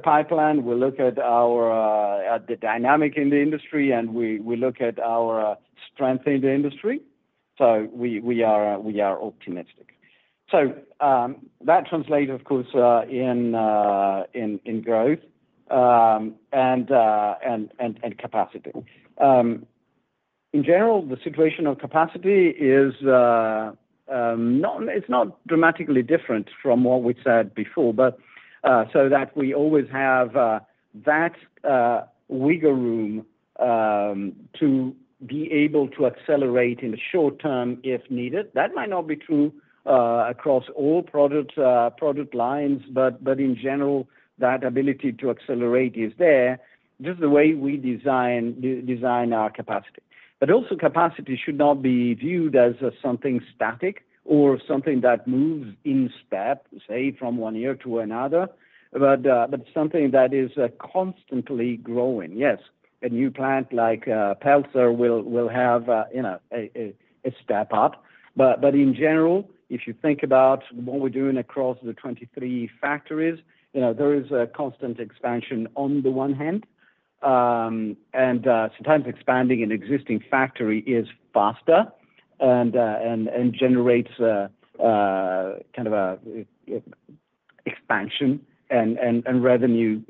pipeline, we look at the dynamic in the industry, and we look at our strength in the industry, so we are optimistic. So that translates, of course, in growth and capacity. In general, the situation of capacity is not dramatically different from what we said before, but so that we always have that wiggle room to be able to accelerate in the short term, if needed. That might not be true across all product lines, but in general, that ability to accelerate is there, just the way we design our capacity. But also, capacity should not be viewed as something static or something that moves in step, say, from one year to another, but something that is constantly growing. Yes, a new plant like Pelzer will have a, you know, step up. But in general, if you think about what we're doing across the twenty-three factories, you know, there is a constant expansion on the one hand. And sometimes expanding an existing factory is faster and generates kind of expansion and revenue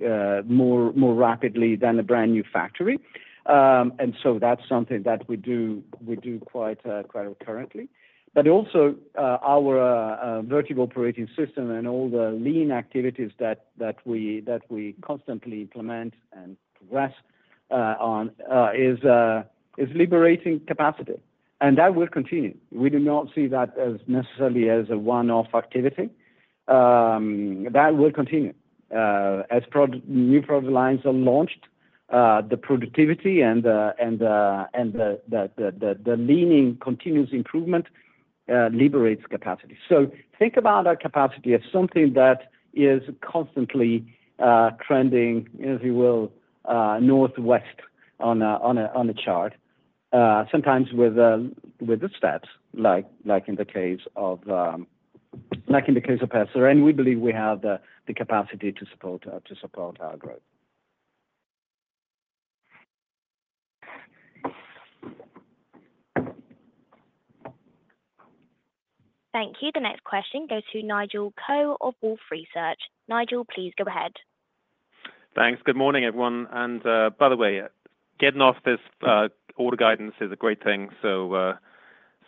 more rapidly than a brand-new factory. And so that's something that we do quite recurrently. But also, our Vertiv Operating System and all the lean activities that we constantly implement and progress on is liberating capacity, and that will continue. We do not see that as necessarily as a one-off activity. That will continue. As new product lines are launched, the productivity and the leaning continuous improvement liberates capacity. So think about our capacity as something that is constantly trending, if you will, northwest on a chart, sometimes with the stats, like in the case of Pelzer, and we believe we have the capacity to support our growth. Thank you. The next question goes to Nigel Coe of Wolfe Research. Nigel, please go ahead. ... Thanks. Good morning, everyone. And, by the way, getting off this order guidance is a great thing, so,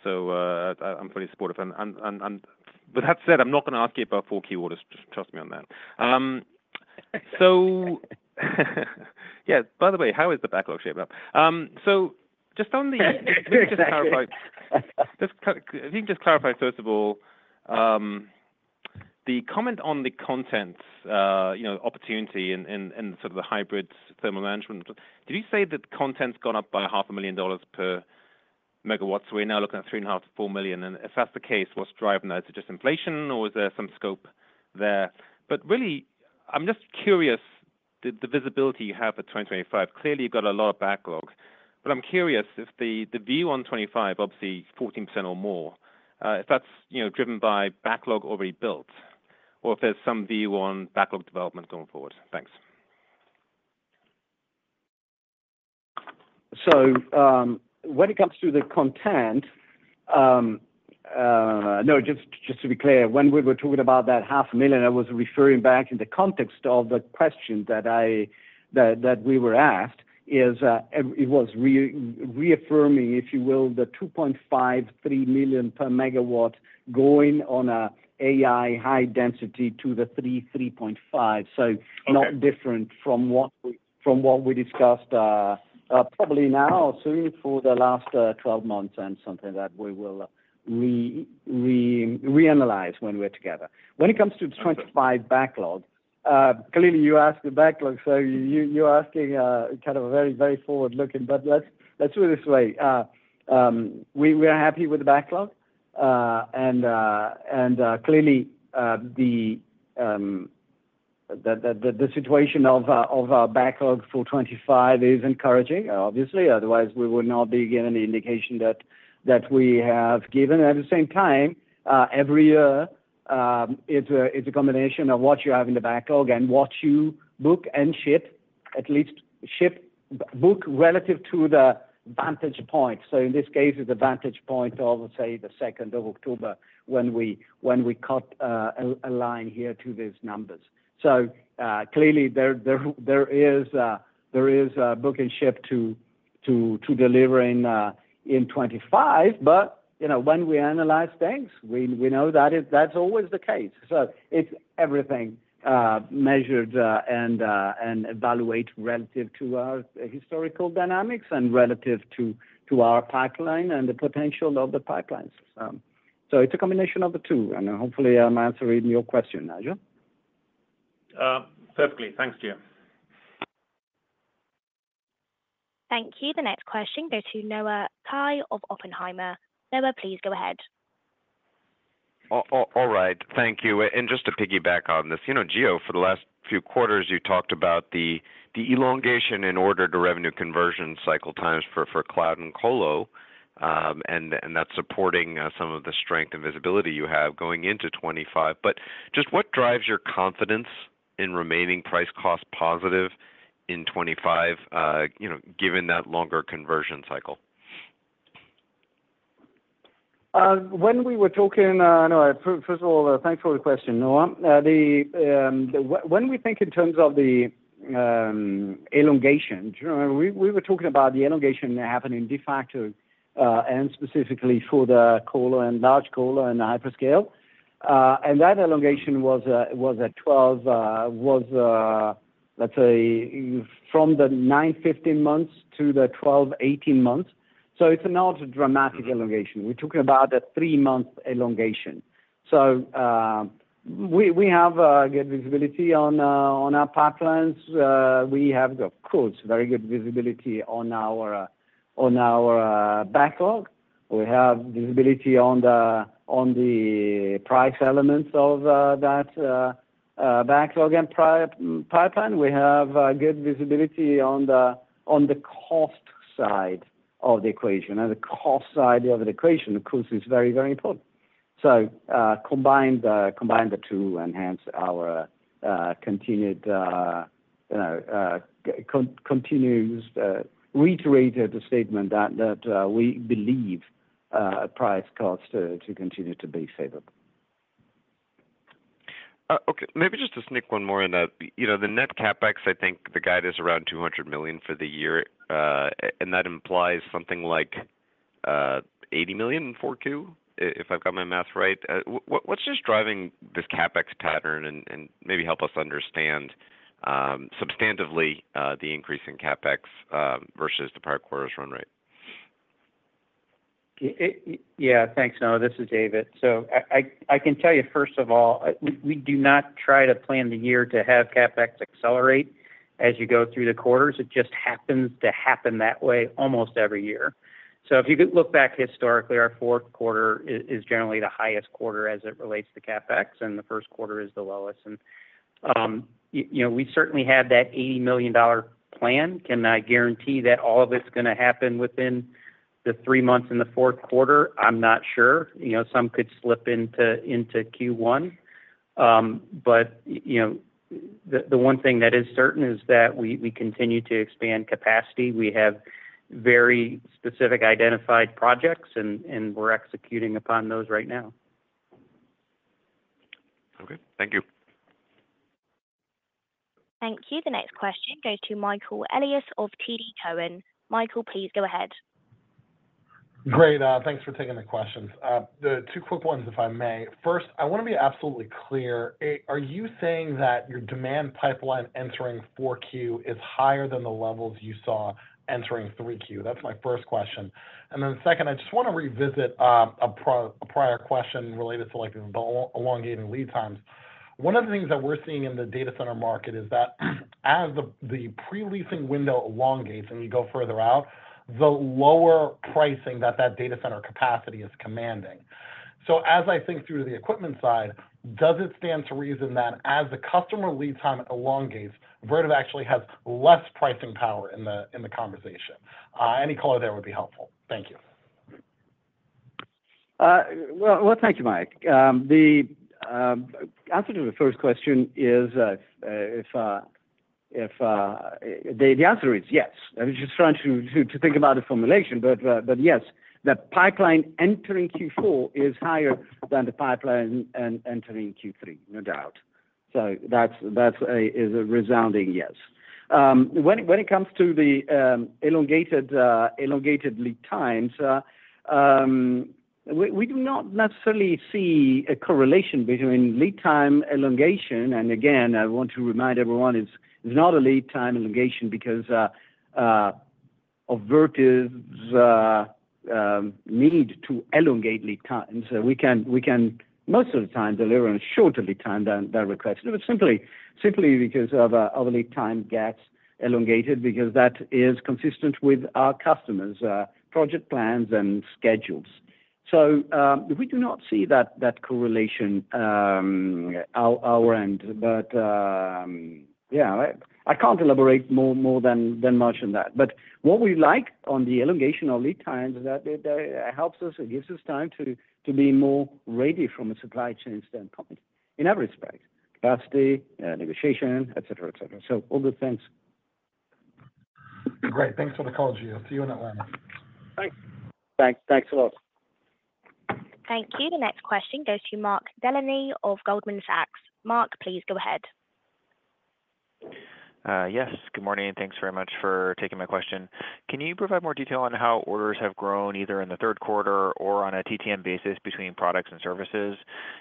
so, I'm pretty supportive. And, and, but that said, I'm not going to ask you about 4Q orders. Just trust me on that. So-- yeah, by the way, how is the backlog shaping up? So just on the- Exactly. Just to clarify, can you clarify, first of all, the comment on the containment, you know, opportunity and sort of the hybrid thermal management. Did you say that containment's gone up by $500,000 per megawatt, so we're now looking at $3.5 million-$4 million? And if that's the case, what's driving that? Is it just inflation or is there some scope there? But really, I'm just curious, the visibility you have for 2025. Clearly, you've got a lot of backlog, but I'm curious if the view on 2025, obviously 14% or more, if that's, you know, driven by backlog already built, or if there's some view on backlog development going forward? Thanks. So, when it comes to the content, no, just to be clear, when we were talking about that $500,000, I was referring back in the context of the question that we were asked, it was reaffirming, if you will, the $2.5-$3 million per megawatt going on a AI high density to the 3-3.5. Okay. So not different from what we discussed, probably now or soon for the last twelve months, and something that we will reanalyze when we're together. When it comes to twenty-five backlog, clearly, you asked the backlog, so you're asking kind of a very, very forward-looking. But let's do it this way. We are happy with the backlog, and clearly, the situation of our backlog for twenty-five is encouraging, obviously. Otherwise, we would not be giving the indication that we have given. At the same time, every year, it's a combination of what you have in the backlog and what you book and ship, at least ship, book relative to the vantage point. So in this case, it's a vantage point of, say, the second of October, when we cut a line here to these numbers. So, clearly, there is a book and ship to deliver in 2025, but, you know, when we analyze things, we know that's always the case. So it's everything measured and evaluate relative to our historical dynamics and relative to our pipeline and the potential of the pipelines. So it's a combination of the two, and hopefully I'm answering your question, Nigel. Perfectly. Thanks, Gio. Thank you. The next question goes to Noah Kaye of Oppenheimer. Noah, please go ahead. All right. Thank you. And just to piggyback on this, you know, Gio, for the last few quarters, you talked about the elongation in order to revenue conversion cycle times for cloud and colo, and that's supporting some of the strength and visibility you have going into twenty-five. But just what drives your confidence in remaining price cost positive in twenty-five, you know, given that longer conversion cycle? When we were talking, no, first of all, thanks for the question, Noah. When we think in terms of the elongation, we were talking about the elongation happening de facto, and specifically for the colo and large colo and the hyperscale, and that elongation was a, was a twelve, was, let's say, from the 9-15 months to the 12-18 months. So it's not a dramatic elongation. We're talking about a three-month elongation. So, we have good visibility on our pipelines. We have, of course, very good visibility on our backlog. We have visibility on the price elements of that backlog and pipeline. We have good visibility on the cost side of the equation. The cost side of the equation, of course, is very, very important. So, combine the two, enhance our continued, you know, continues, reiterated the statement that we believe price-cost to continue to be favorable. Okay, maybe just to sneak one more in that, you know, the net CapEx, I think the guide is around $200 million for the year, and that implies something like $80 million in Q4, if I've got my math right. What's just driving this CapEx pattern? And maybe help us understand, substantively, the increase in CapEx versus the prior quarter's run rate. Yeah, thanks, Noah. This is David. So I can tell you, first of all, we do not try to plan the year to have CapEx accelerate as you go through the quarters. It just happens that way almost every year. So if you could look back historically, our fourth quarter is generally the highest quarter as it relates to CapEx, and the first quarter is the lowest. And you know, we certainly have that $80 million plan. Can I guarantee that all of it's going to happen within the three months in the fourth quarter? I'm not sure. You know, some could slip into Q1. But you know, the one thing that is certain is that we continue to expand capacity. We have very specific identified projects, and we're executing upon those right now.... Okay, thank you. Thank you. The next question goes to Michael Elias of TD Cowen. Michael, please go ahead. Great, thanks for taking the questions. The two quick ones, if I may. First, I want to be absolutely clear, are you saying that your demand pipeline entering 4Q is higher than the levels you saw entering 3Q? That's my first question. And then second, I just want to revisit, a prior question related to, like, the elongating lead times. One of the things that we're seeing in the data center market is that, as the pre-leasing window elongates, and you go further out, the lower pricing that data center capacity is commanding. So as I think through the equipment side, does it stand to reason that as the customer lead time elongates, Vertiv actually has less pricing power in the conversation? Any color there would be helpful. Thank you. Well, thank you, Mike. The answer to the first question is yes. I was just trying to think about the formulation, but yes, the pipeline entering Q4 is higher than the pipeline entering Q3, no doubt. So that's a resounding yes. When it comes to the elongated lead times, we do not necessarily see a correlation between lead time elongation. And again, I want to remind everyone, it's not a lead time elongation because of Vertiv's need to elongate lead times. We can most of the time deliver on a shorter lead time than requested, but simply because our lead time gets elongated because that is consistent with our customers' project plans and schedules, so we do not see that correlation at our end. Yeah, I can't elaborate more than much on that, but what we like about the elongation of lead times is that it helps us, it gives us time to be more ready from a supply chain standpoint, in every respect, capacity, negotiation, et cetera, et cetera, so all good things. Great. Thanks for the call, Gio. I'll see you in Atlanta. Thanks. Thanks. Thanks a lot. Thank you. The next question goes to Mark Delaney of Goldman Sachs. Mark, please go ahead. Yes. Good morning, and thanks very much for taking my question. Can you provide more detail on how orders have grown, either in the third quarter or on a TTM basis between products and services?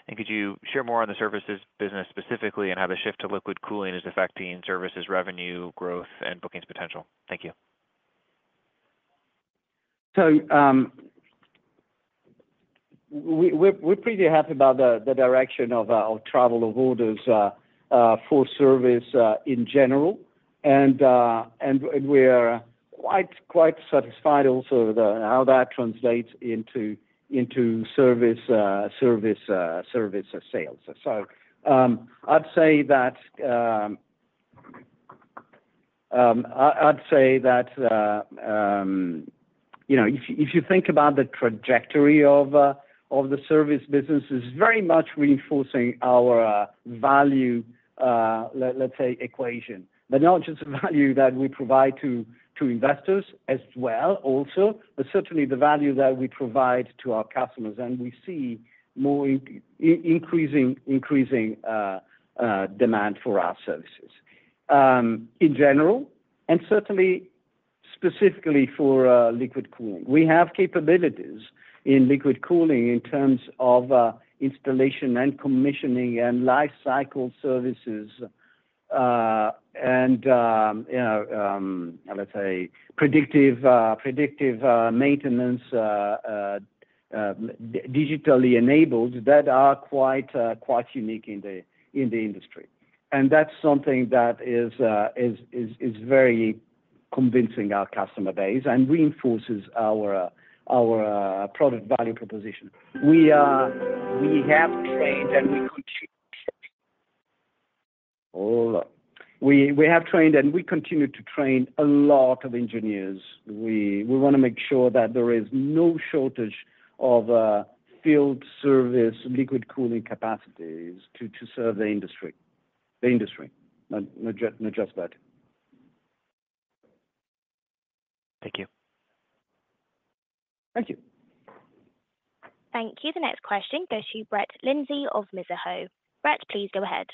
And could you share more on the services business specifically, and how the shift to liquid cooling is affecting services, revenue, growth, and bookings potential? Thank you. So, we're pretty happy about the direction of travel of orders for service in general. And we're quite satisfied also with how that translates into service sales. So, I'd say that, you know, if you think about the trajectory of the service business, is very much reinforcing our value, let's say, equation. But not just the value that we provide to investors as well also, but certainly the value that we provide to our customers, and we see more increasing demand for our services in general, and certainly specifically for liquid cooling. We have capabilities in liquid cooling in terms of installation and commissioning and lifecycle services, and you know, let's say, predictive maintenance, digitally enabled, that are quite unique in the industry. And that's something that is very convincing our customer base and reinforces our product value proposition. We have trained and we continue to train a lot of engineers. We want to make sure that there is no shortage of field service liquid cooling capacities to serve the industry. And address that. Thank you. Thank you. Thank you. The next question goes to Brett Linzey of Mizuho. Brett, please go ahead.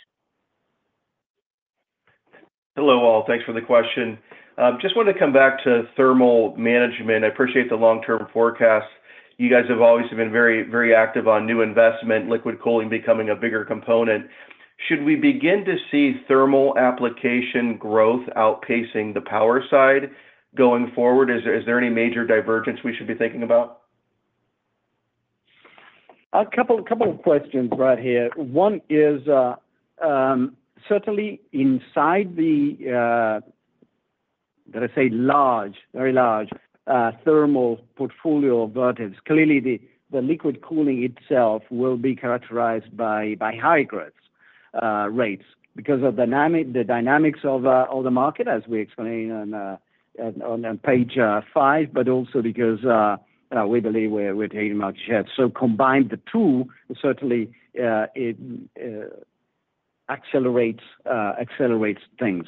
Hello, all. Thanks for the question. Just wanted to come back to thermal management. I appreciate the long-term forecast. You guys have always been very, very active on new investment, liquid cooling becoming a bigger component. Should we begin to see thermal application growth outpacing the power side going forward? Is there, is there any major divergence we should be thinking about? A couple of questions, Brett, here. One is certainly inside the, let's say, large, very large, thermal portfolio of Vertiv. Clearly the liquid cooling itself will be characterized by high growth rates because of the dynamics of the market, as we explained on page five, but also because we believe we're hitting our shares. Combined the two, certainly it accelerates things.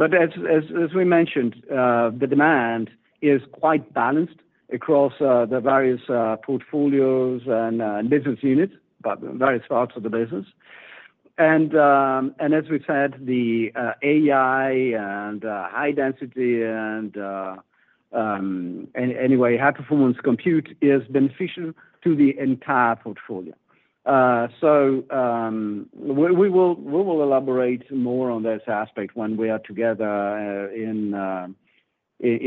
As we mentioned, the demand is quite balanced across the various portfolios and business units, but various parts of the business. As we've said, the AI and high density and high-performance compute is beneficial to the entire portfolio. So, we will elaborate more on this aspect when we are together in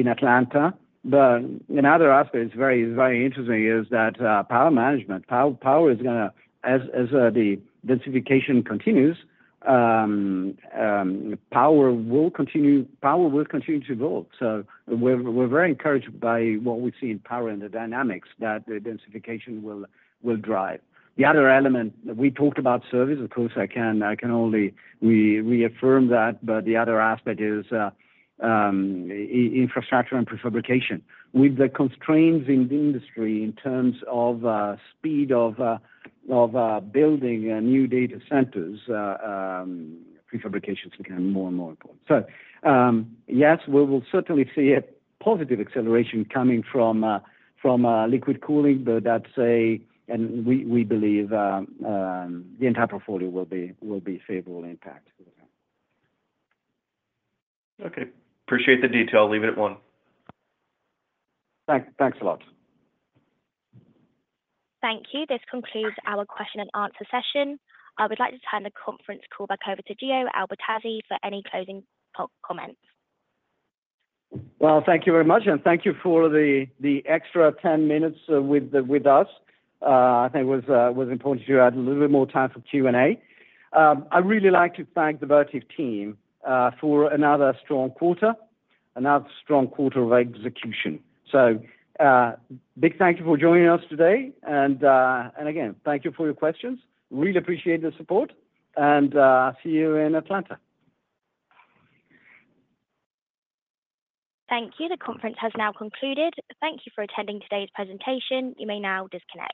Atlanta. But another aspect is very interesting is that power management. Power is gonna, as the densification continues, power will continue to grow. So we're very encouraged by what we see in power and the dynamics that the densification will drive. The other element we talked about, service, of course I can only reaffirm that, but the other aspect is infrastructure and prefabrication. With the constraints in the industry in terms of speed of building new data centers, prefabrication is becoming more and more important. Yes, we will certainly see a positive acceleration coming from liquid cooling, but that's and we believe the entire portfolio will be favorably impacted. Okay. Appreciate the detail. Leave it at one. Thanks a lot. Thank you. This concludes our question and answer session. I would like to turn the conference call back over to Gio Albertazzi for any closing comments. Thank you very much, and thank you for the extra 10 minutes with us. I think it was important to add a little bit more time for Q&A. I'd really like to thank the Vertiv team for another strong quarter of execution. Big thank you for joining us today, and again, thank you for your questions. Really appreciate the support, and see you in Atlanta. Thank you. The conference has now concluded. Thank you for attending today's presentation. You may now disconnect.